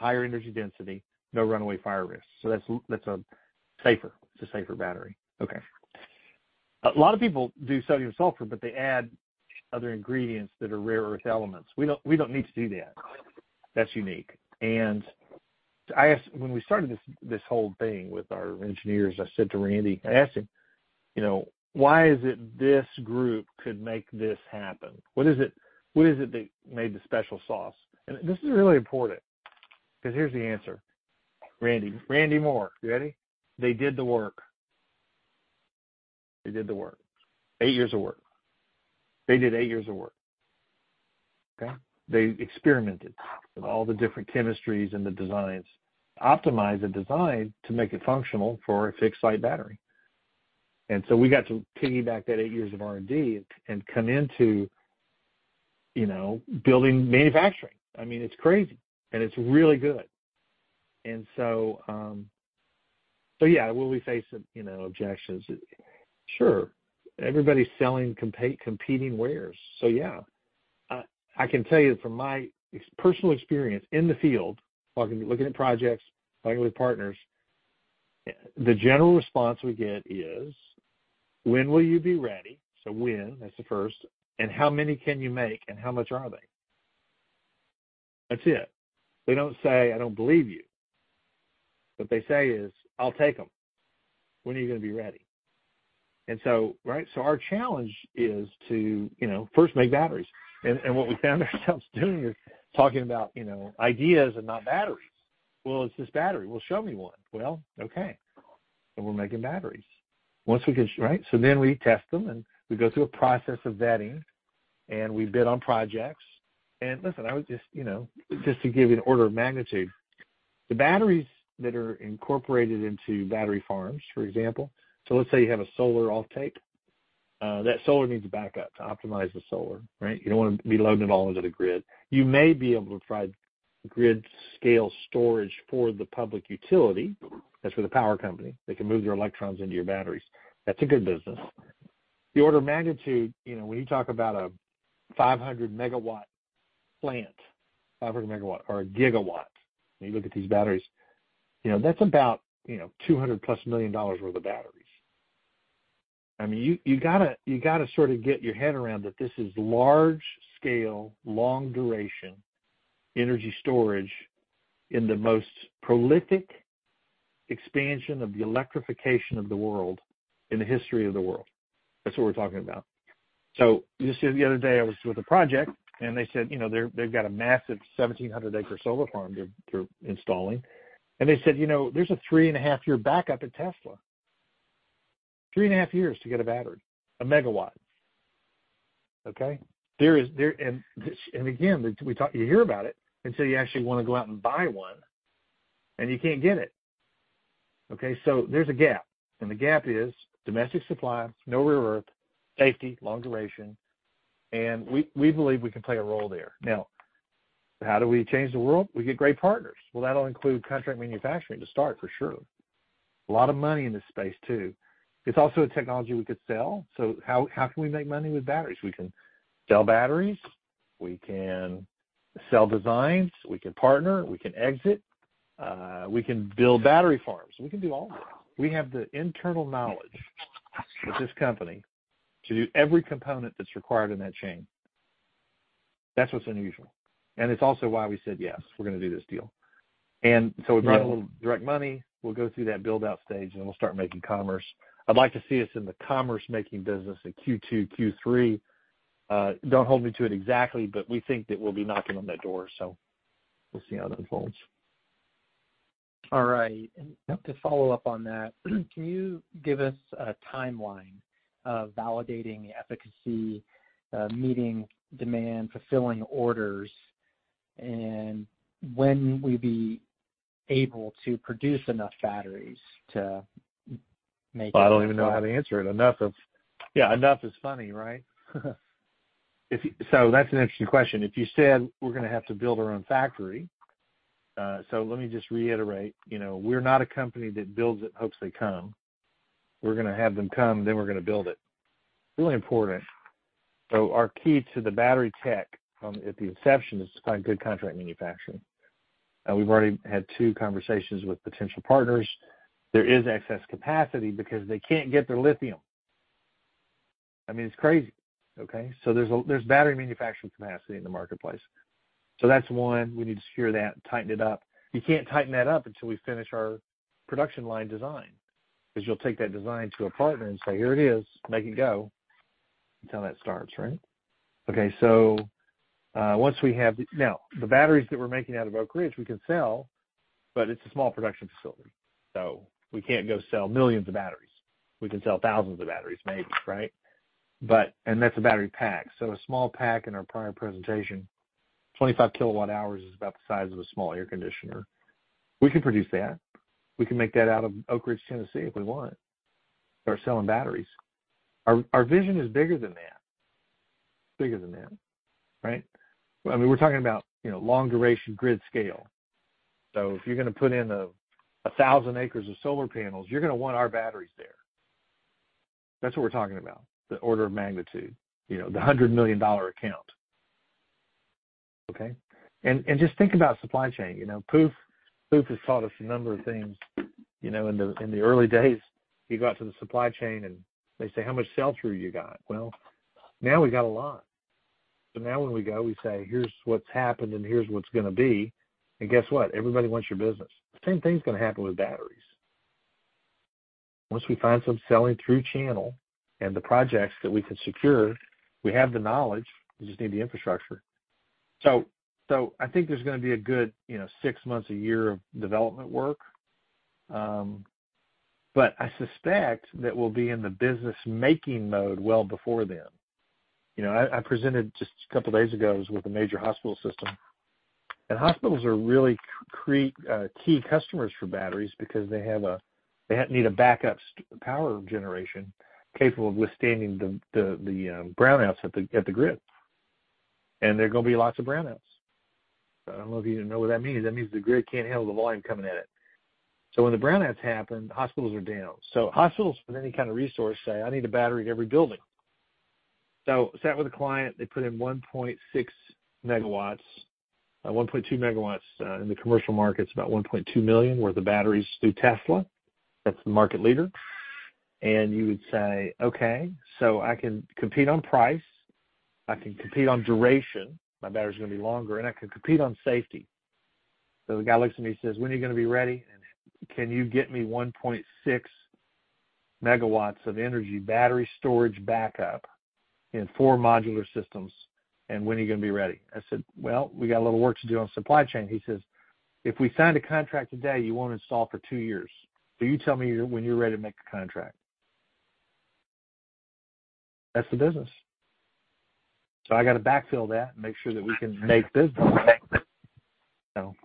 higher energy density, no runaway fire risk. So that's, that's a safer, it's a safer battery. Okay. A lot of people do sodium sulfur, but they add other ingredients that are rare earth elements. We don't, we don't need to do that. That's unique. And I asked, when we started this, this whole thing with our engineers, I said to Randy, I asked him, "You know, why is it this group could make this happen? What is it? What is it that made the special sauce?" And this is really important, because here's the answer. Randy, Randy Moore, you ready? They did the work. They did the work. Eight years of work. They did eight years of work, okay? They experimented with all the different chemistries and the designs, optimized the design to make it functional for a fixed-site battery. And so we got to piggyback that eight years of R&D and, and come into, you know, building manufacturing. I mean, it's crazy, and it's really good. And so, so yeah, will we face some, you know, objections? Sure. Everybody's selling competing wares, so yeah. I can tell you from my personal experience in the field, talking, looking at projects, talking with partners, the general response we get is: When will you be ready? So when? That's the first. And how many can you make, and how much are they? That's it. They don't say: I don't believe you. What they say is: I'll take them. When are you gonna be ready? And so, right, so our challenge is to, you know, first make batteries. And, and what we found ourselves doing is talking about, you know, ideas and not batteries. Well, it's this battery. Well, show me one. Well, okay, so we're making batteries. Once we get... Right? So then we test them, and we go through a process of vetting, and we bid on projects. Listen, I would just, you know, just to give you an order of magnitude, the batteries that are incorporated into battery farms, for example, so let's say you have a solar offtake, that solar needs a backup to optimize the solar, right? You don't want to be loading it all into the grid. You may be able to provide grid-scale storage for the public utility. That's for the power company. They can move their electrons into your batteries. That's a good business. The order of magnitude, you know, when you talk about a 500 megawatt plant, 500 megawatt or a gigawatt, when you look at these batteries, you know, that's about, you know, $200+ million worth of batteries. I mean, you, you gotta, you gotta sort of get your head around that this is large-scale, long-duration energy storage in the most prolific expansion of the electrification of the world, in the history of the world. That's what we're talking about. So just the other day I was with a project, and they said, you know, they've got a massive 1,700-acre solar farm they're, they're installing. And they said, "You know, there's a 3.5-year backup at Tesla. 3.5 years to get a battery, a megawatt." Okay? There is. And, and again, we talk, you hear about it, until you actually want to go out and buy one, and you can't get it. Okay, so there's a gap, and the gap is domestic supply, no rare earth, safety, long duration, and we, we believe we can play a role there. Now, how do we change the world? We get great partners. Well, that'll include contract manufacturing to start for sure. A lot of money in this space, too. It's also a technology we could sell. So how, how can we make money with batteries? We can sell batteries, we can sell designs, we can partner, we can exit, we can build battery farms. We can do all of it. We have the internal knowledge with this company to do every component that's required in that chain. That's what's unusual, and it's also why we said, "Yes, we're gonna do this deal." And so we brought a little direct money. We'll go through that build-out stage, and we'll start making commerce. I'd like to see us in the commerce making business in Q2, Q3. Don't hold me to it exactly, but we think that we'll be knocking on that door, so we'll see how that unfolds. All right. To follow up on that, can you give us a timeline of validating efficacy, meeting demand, fulfilling orders, and when we'd be able to produce enough batteries to make- I don't even know how to answer it. Enough of. Yeah, enough is funny, right? If you, so that's an interesting question. If you said, we're gonna have to build our own factory, so let me just reiterate, you know, we're not a company that builds and hopes they come. We're gonna have them come, then we're gonna build it. Really important. So our key to the battery tech, at the inception, is to find good contract manufacturing. And we've already had two conversations with potential partners. There is excess capacity because they can't get their lithium. I mean, it's crazy, okay? So there's battery manufacturing capacity in the marketplace. So that's one. We need to secure that, tighten it up. You can't tighten that up until we finish our production line design, because you'll take that design to a partner and say, "Here it is, make it go," until that starts, right? Okay, so once we have the. Now, the batteries that we're making out of Oak Ridge, we can sell, but it's a small production facility, so we can't go sell millions of batteries. We can sell thousands of batteries, maybe, right? But and that's a battery pack. So a small pack in our prior presentation, 25 kWh, is about the size of a small air conditioner. We can produce that. We can make that out of Oak Ridge, Tennessee, if we want. Start selling batteries. Our, our vision is bigger than that. Bigger than that, right? I mean, we're talking about, you know, long-duration grid scale. So if you're gonna put in 1,000 acres of solar panels, you're gonna want our batteries there. That's what we're talking about, the order of magnitude, you know, the $100 million account. Okay? And just think about supply chain, you know, POOPH, POOPH has taught us a number of things. You know, in the early days, you go out to the supply chain, and they say: How much sell-through you got? Well, now we got a lot. So now when we go, we say, "Here's what's happened, and here's what's gonna be." And guess what? Everybody wants your business. The same thing's gonna happen with batteries. Once we find some selling through channel and the projects that we can secure, we have the knowledge, we just need the infrastructure. So I think there's gonna be a good, you know, six months, a year of development work. But I suspect that we'll be in the business making mode well before then. You know, I presented just a couple days ago, it was with a major hospital system. And hospitals are really key customers for batteries because they need a backup power generation capable of withstanding the brownouts at the grid. And there are gonna be lots of brownouts. I don't know if you even know what that means. That means the grid can't handle the volume coming at it. So when the brownouts happen, hospitals are down. So hospitals, with any kind of resource, say, "I need a battery in every building." So sat with a client, they put in 1.6 MW, 1.2 MW, in the commercial market. It's about $1.2 million worth of batteries through Tesla. That's the market leader. And you would say, "Okay, so I can compete on price, I can compete on duration, my battery's gonna be longer, and I can compete on safety." So the guy looks at me and says: "When are you gonna be ready? And can you get me 1.6 MW of energy battery storage backup in four modular systems, and when are you gonna be ready?" I said, "Well, we got a little work to do on supply chain." He says, "If we signed a contract today, you won't install for two years. So you tell me when you're ready to make a contract." That's the business. So I got to backfill that and make sure that we can make business. So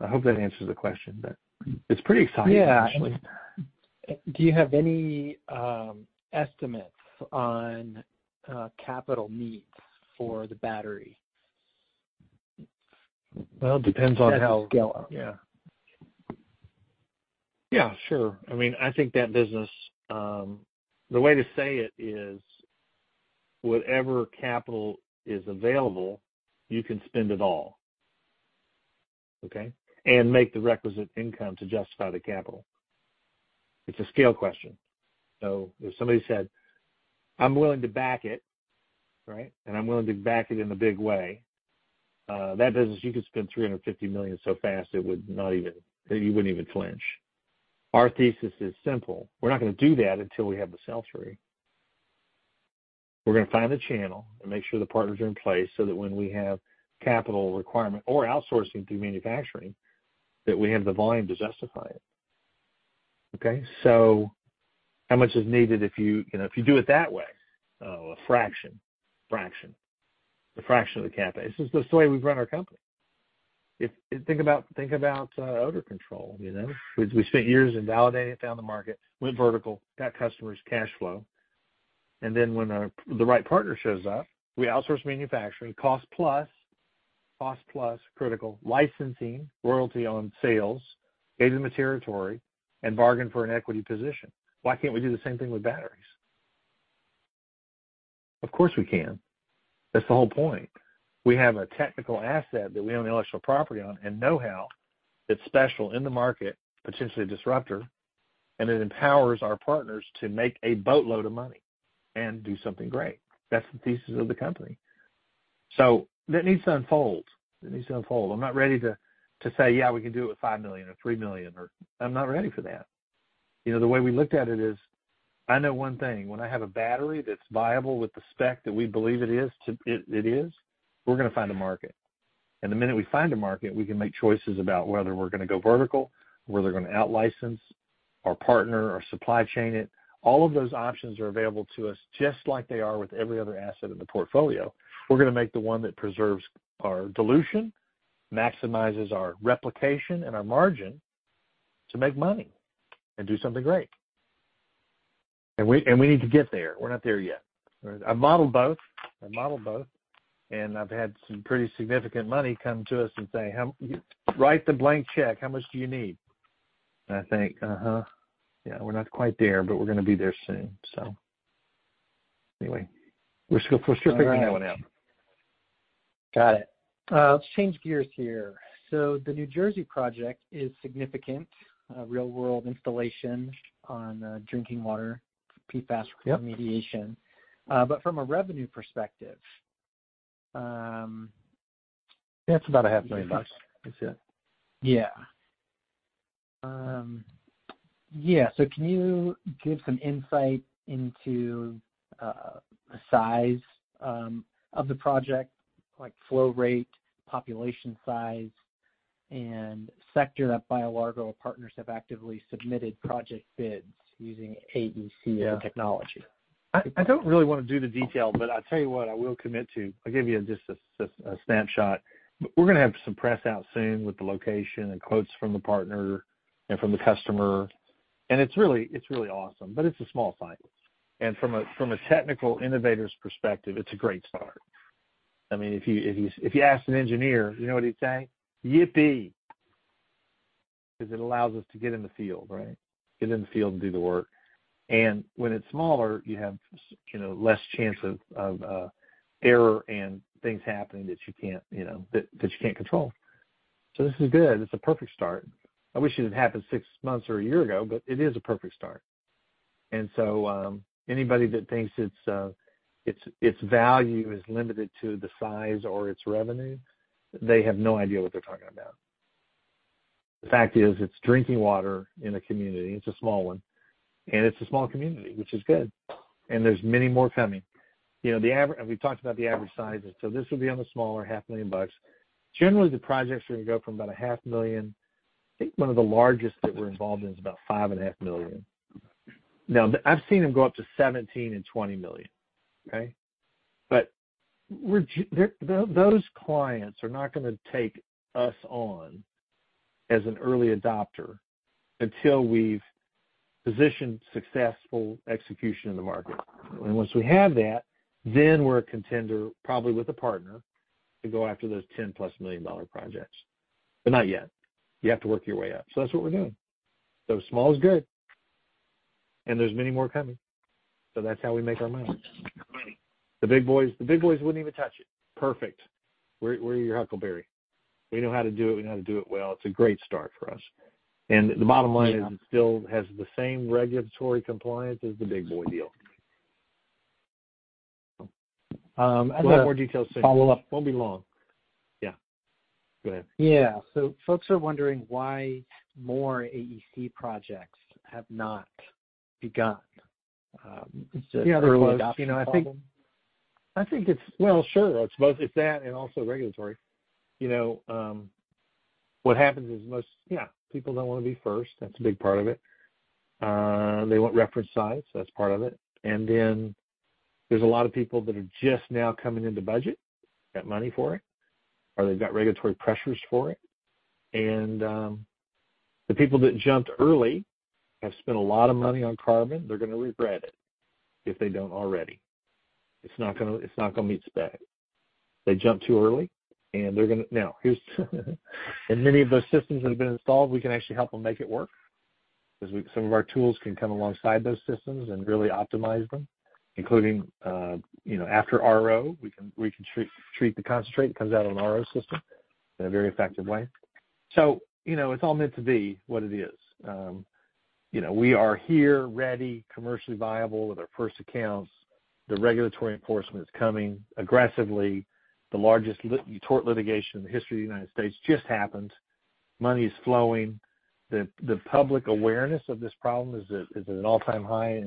I hope that answers the question, but it's pretty exciting actually. Yeah. Do you have any estimates on capital needs for the battery? Well, it depends on how. Scale. Yeah. Yeah, sure. I mean, I think that business, the way to say it is, whatever capital is available, you can spend it all, okay? And make the requisite income to justify the capital. It's a scale question. So if somebody said, "I'm willing to back it," right? "And I'm willing to back it in a big way," that business, you could spend $350 million so fast, it would not even... You wouldn't even flinch. Our thesis is simple: We're not gonna do that until we have the sell-through. We're gonna find the channel and make sure the partners are in place, so that when we have capital requirement or outsourcing through manufacturing, that we have the volume to justify it, okay? So how much is needed if you, you know, if you do it that way? Oh, a fraction, fraction. A fraction of the capital. This is the way we've run our company. Think about, think about, odor control, you know. We, we spent years in validating it down the market, went vertical, got customers cash flow, and then when the right partner shows up, we outsource manufacturing, cost plus, cost plus, critical licensing, royalty on sales, gave them the territory, and bargained for an equity position. Why can't we do the same thing with batteries? Of course, we can. That's the whole point. We have a technical asset that we own the intellectual property on and know-how, that's special in the market, potentially a disruptor, and it empowers our partners to make a boatload of money and do something great. That's the thesis of the company. So that needs to unfold. It needs to unfold. I'm not ready to, to say, "Yeah, we can do it with $5 million or $3 million," or I'm not ready for that. You know, the way we looked at it is, I know one thing, when I have a battery that's viable with the spec that we believe it is to- it, it is, we're gonna find a market. And the minute we find a market, we can make choices about whether we're gonna go vertical, whether we're gonna out-license or partner or supply chain it. All of those options are available to us, just like they are with every other asset in the portfolio. We're gonna make the one that preserves our dilution, maximizes our replication and our margin to make money and do something great. And we, and we need to get there. We're not there yet. I've modeled both. I've modeled both, and I've had some pretty significant money come to us and say, "Write the blank check. How much do you need?" And I think, uh-huh. Yeah, we're not quite there, but we're gonna be there soon. So anyway, we're still figuring that one out. Got it. Let's change gears here. So the New Jersey project is significant, a real-world installation on, drinking water, PFAS remediation. But from a revenue perspective, It's about $500,000. That's it. Yeah. Yeah, so can you give some insight into the size of the project, like flow rate, population size, and sector that BioLargo partners have actively submitted project bids using AEC, as a technology? I don't really want to do the detail, but I tell you what, I will commit to. I'll give you just a snapshot. We're gonna have some press out soon with the location and quotes from the partner and from the customer, and it's really awesome, but it's a small site. And from a technical innovator's perspective, it's a great start. I mean, if you ask an engineer, you know what he'd say? "Yippee!" Because it allows us to get in the field, right? Get in the field and do the work. And when it's smaller, you know, less chance of error and things happening that you can't control. So this is good. It's a perfect start. I wish it had happened 6 months or 1 year ago, but it is a perfect start. So, anybody that thinks its value is limited to the size or its revenue, they have no idea what they're talking about. The fact is, it's drinking water in a community, it's a small one, and it's a small community, which is good, and there's many more coming. You know, the average – and we've talked about the average sizes, so this will be on the smaller, $500,000. Generally, the projects are gonna go from about $500,000. I think one of the largest that we're involved in is about $5.5 million. Now, I've seen them go up to $17 million and $20 million, okay? But those clients are not gonna take us on as an early adopter until we've positioned successful execution in the market. And once we have that, then we're a contender, probably with a partner, to go after those $10+ million projects. But not yet. You have to work your way up. So that's what we're doing. So small is good, and there's many more coming, so that's how we make our money. The big boys, the big boys wouldn't even touch it. Perfect. We're your Huckleberry. We know how to do it. We know how to do it well. It's a great start for us. And the bottom line is it still has the same regulatory compliance as the big boy deal? I'd like. More details soon. Follow up. Won't be long. Yeah, go ahead. Yeah. So folks are wondering why more AEC projects have not begun. Is it early adoption problem? You know, I think it's. Well, sure, it's both. It's that and also regulatory. You know, what happens is most, yeah, people don't want to be first. That's a big part of it. They want reference size, so that's part of it. And then, there's a lot of people that are just now coming into budget, got money for it, or they've got regulatory pressures for it. And, the people that jumped early have spent a lot of money on carbon. They're gonna regret it, if they don't already. It's not gonna meet spec. They jumped too early, and they're gonna now, here's in many of those systems that have been installed, we can actually help them make it work, because we, some of our tools can come alongside those systems and really optimize them, including, you know, after RO, we can, we can treat, treat the concentrate, comes out on an RO system in a very effective way. So, you know, it's all meant to be what it is. You know, we are here, ready, commercially viable with our first accounts. The regulatory enforcement is coming aggressively. The largest tort litigation in the history of the United States just happened. Money is flowing. The public awareness of this problem is at an all-time high.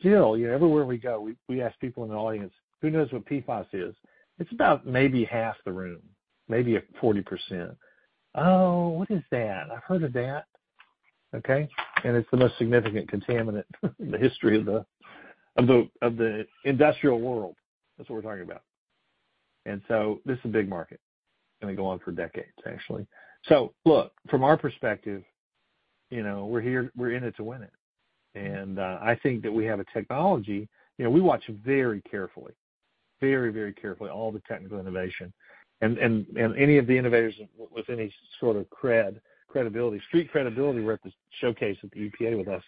Still, you know, everywhere we go, we ask people in the audience, "Who knows what PFAS is?" It's about maybe half the room, maybe at 40%. "Oh, what is that? I've heard of that." Okay? It's the most significant contaminant in the history of the industrial world. That's what we're talking about. So this is a big market, gonna go on for decades, actually. Look, from our perspective, you know, we're here, we're in it to win it. I think that we have a technology. You know, we watch very carefully, very, very carefully, all the technical innovation and any of the innovators with any sort of cred, credibility, street credibility who were at the showcase at the EPA with us.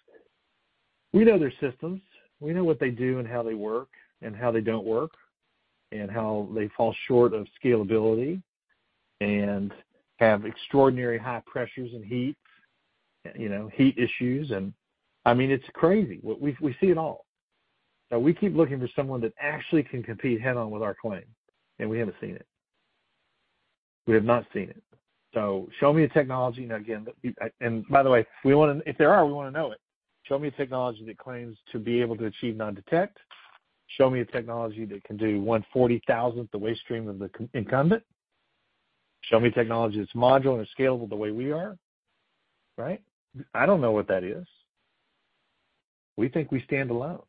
We know their systems. We know what they do and how they work and how they don't work, and how they fall short of scalability and have extraordinary high pressures and heat, you know, heat issues. And I mean, it's crazy. We see it all. Now, we keep looking for someone that actually can compete head on with our claim, and we haven't seen it. We have not seen it. So show me a technology, now, again, that. And by the way, we wanna. If there are, we wanna know it. Show me a technology that claims to be able to achieve non-detect. Show me a technology that can do 1/40,000th the waste stream of the conventional incumbent. Show me technology that's modular and scalable the way we are, right? I don't know what that is. We think we stand alone.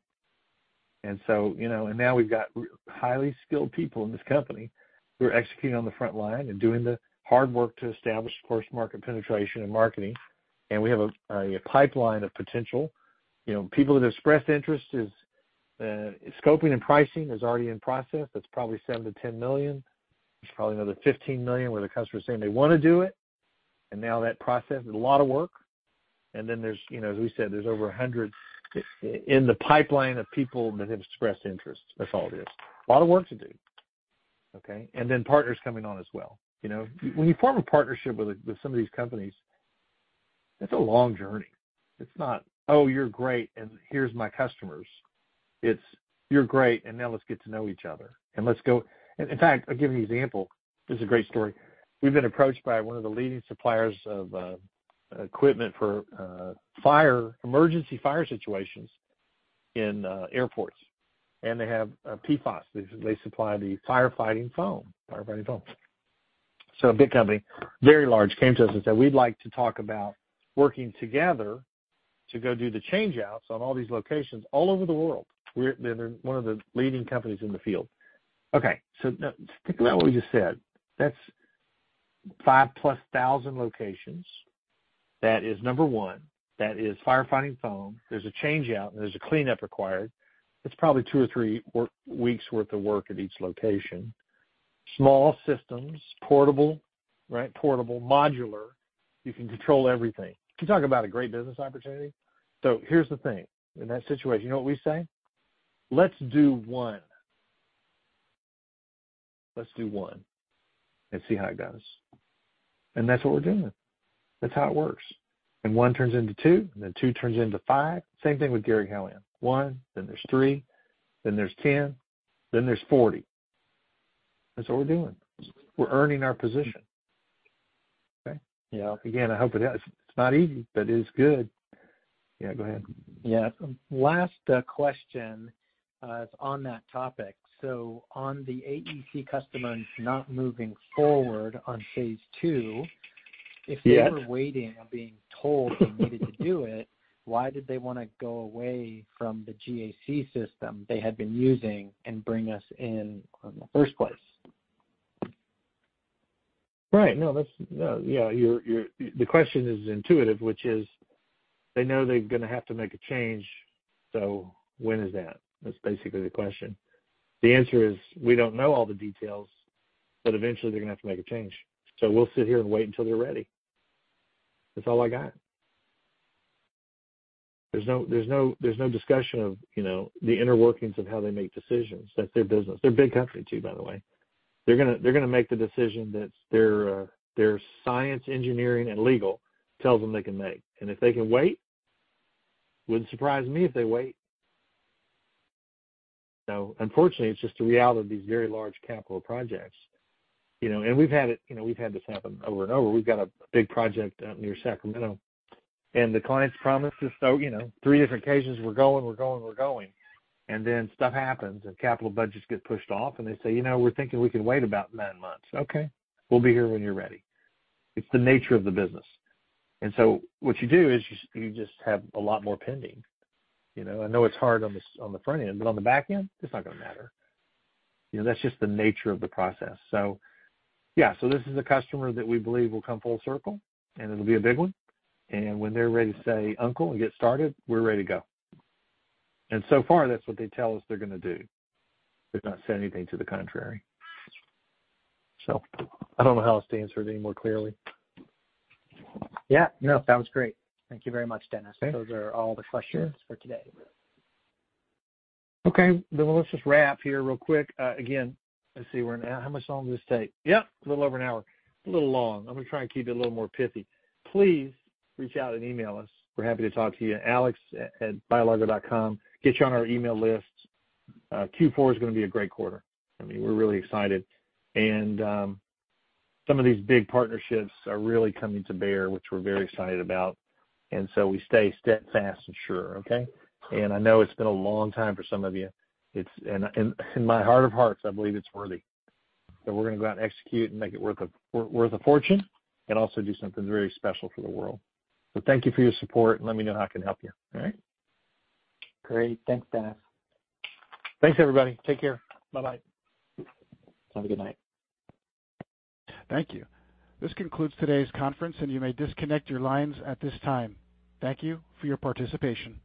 So, you know, and now we've got highly skilled people in this company who are executing on the front line and doing the hard work to establish, of course, market penetration and marketing. And we have a pipeline of potential. You know, people that have expressed interest is scoping and pricing is already in process. That's probably $7 to 10 million. There's probably another $15 million, where the customer is saying they wanna do it. And now that process is a lot of work. And then there's, you know, as we said, there's over 100 in the pipeline of people that have expressed interest. That's all it is. A lot of work to do, okay? And then partners coming on as well. You know, when you form a partnership with some of these companies, it's a long journey. It's not, "Oh, you're great, and here's my customers." It's, "You're great, and now let's get to know each other and let's go..." And in fact, I'll give you an example. This is a great story. We've been approached by one of the leading suppliers of equipment for fire, emergency fire situations in airports. And they have PFAS. They supply the firefighting foam, firefighting foam. So a big company, very large, came to us and said, "We'd like to talk about working together to go do the changeouts on all these locations all over the world." They're one of the leading companies in the field. Okay, so now, think about what we just said. That's 5,000+ locations. That is number one. That is firefighting foam. There's a changeout, and there's a cleanup required. It's probably two or three work weeks worth of work at each location. Small systems, portable, right? Portable, modular. You can control everything. You talk about a great business opportunity. So here's the thing, in that situation, you know what we say? "Let's do one. Let's do one and see how it goes." That's what we're doing. That's how it works. One turns into two, and then two turns into five. Same thing with Garratt-Callahan. One, then there's three, then there's 10, then there's 40. That's what we're doing. We're earning our position. Okay? Yeah. Again, I hope it is. It's not easy, but it's good. Yeah, go ahead. Yeah. Last question is on that topic. So on the AEC customer not moving forward on phase two- Yes. If they were waiting or being told they needed to do it, why did they wanna go away from the GAC system they had been using and bring us in in the first place? Right. No, that's. Yeah, your question is intuitive, which is, they know they're gonna have to make a change, so when is that? That's basically the question. The answer is, we don't know all the details, but eventually they're gonna have to make a change. So we'll sit here and wait until they're ready. That's all I got. There's no discussion of, you know, the inner workings of how they make decisions. That's their business. They're a big company, too, by the way. They're gonna make the decision that their science, engineering, and legal tells them they can make. And if they can wait, wouldn't surprise me if they wait. So unfortunately, it's just the reality of these very large capital projects, you know. And we've had it, you know, we've had this happen over and over. We've got a big project out near Sacramento, and the clients promised us, oh, you know, three different occasions, "We're going, we're going, we're going." And then stuff happens, and capital budgets get pushed off, and they say, "You know, we're thinking we can wait about nine months." Okay, we'll be here when you're ready. It's the nature of the business. And so what you do is you just have a lot more pending. You know, I know it's hard on the front end, but on the back end, it's not gonna matter. You know, that's just the nature of the process. So yeah, so this is a customer that we believe will come full circle, and it'll be a big one. And when they're ready to say uncle and get started, we're ready to go. And so far, that's what they tell us they're gonna do. They've not said anything to the contrary. So I don't know how else to answer it any more clearly. Yeah, no, that was great. Thank you very much, Dennis. Okay. Those are all the questions for today. Okay, then let's just wrap here real quick. Again, let's see, we're now—how much longer did this take? Yep, a little over an hour. A little long. I'm gonna try and keep it a little more pithy. Please reach out and email us. We're happy to talk to you, alex@BioLargo.com. Get you on our email list. Q4 is gonna be a great quarter. I mean, we're really excited. Some of these big partnerships are really coming to bear, which we're very excited about. So we stay steadfast and sure, okay? I know it's been a long time for some of you. It's in my heart of hearts, I believe it's worthy, that we're gonna go out and execute and make it worth a fortune, and also do something very special for the world. So thank you for your support, and let me know how I can help you. All right? Great. Thanks, Dennis. Thanks, everybody. Take care. Bye-bye. Have a good night. Thank you. This concludes today's conference, and you may disconnect your lines at this time. Thank you for your participation.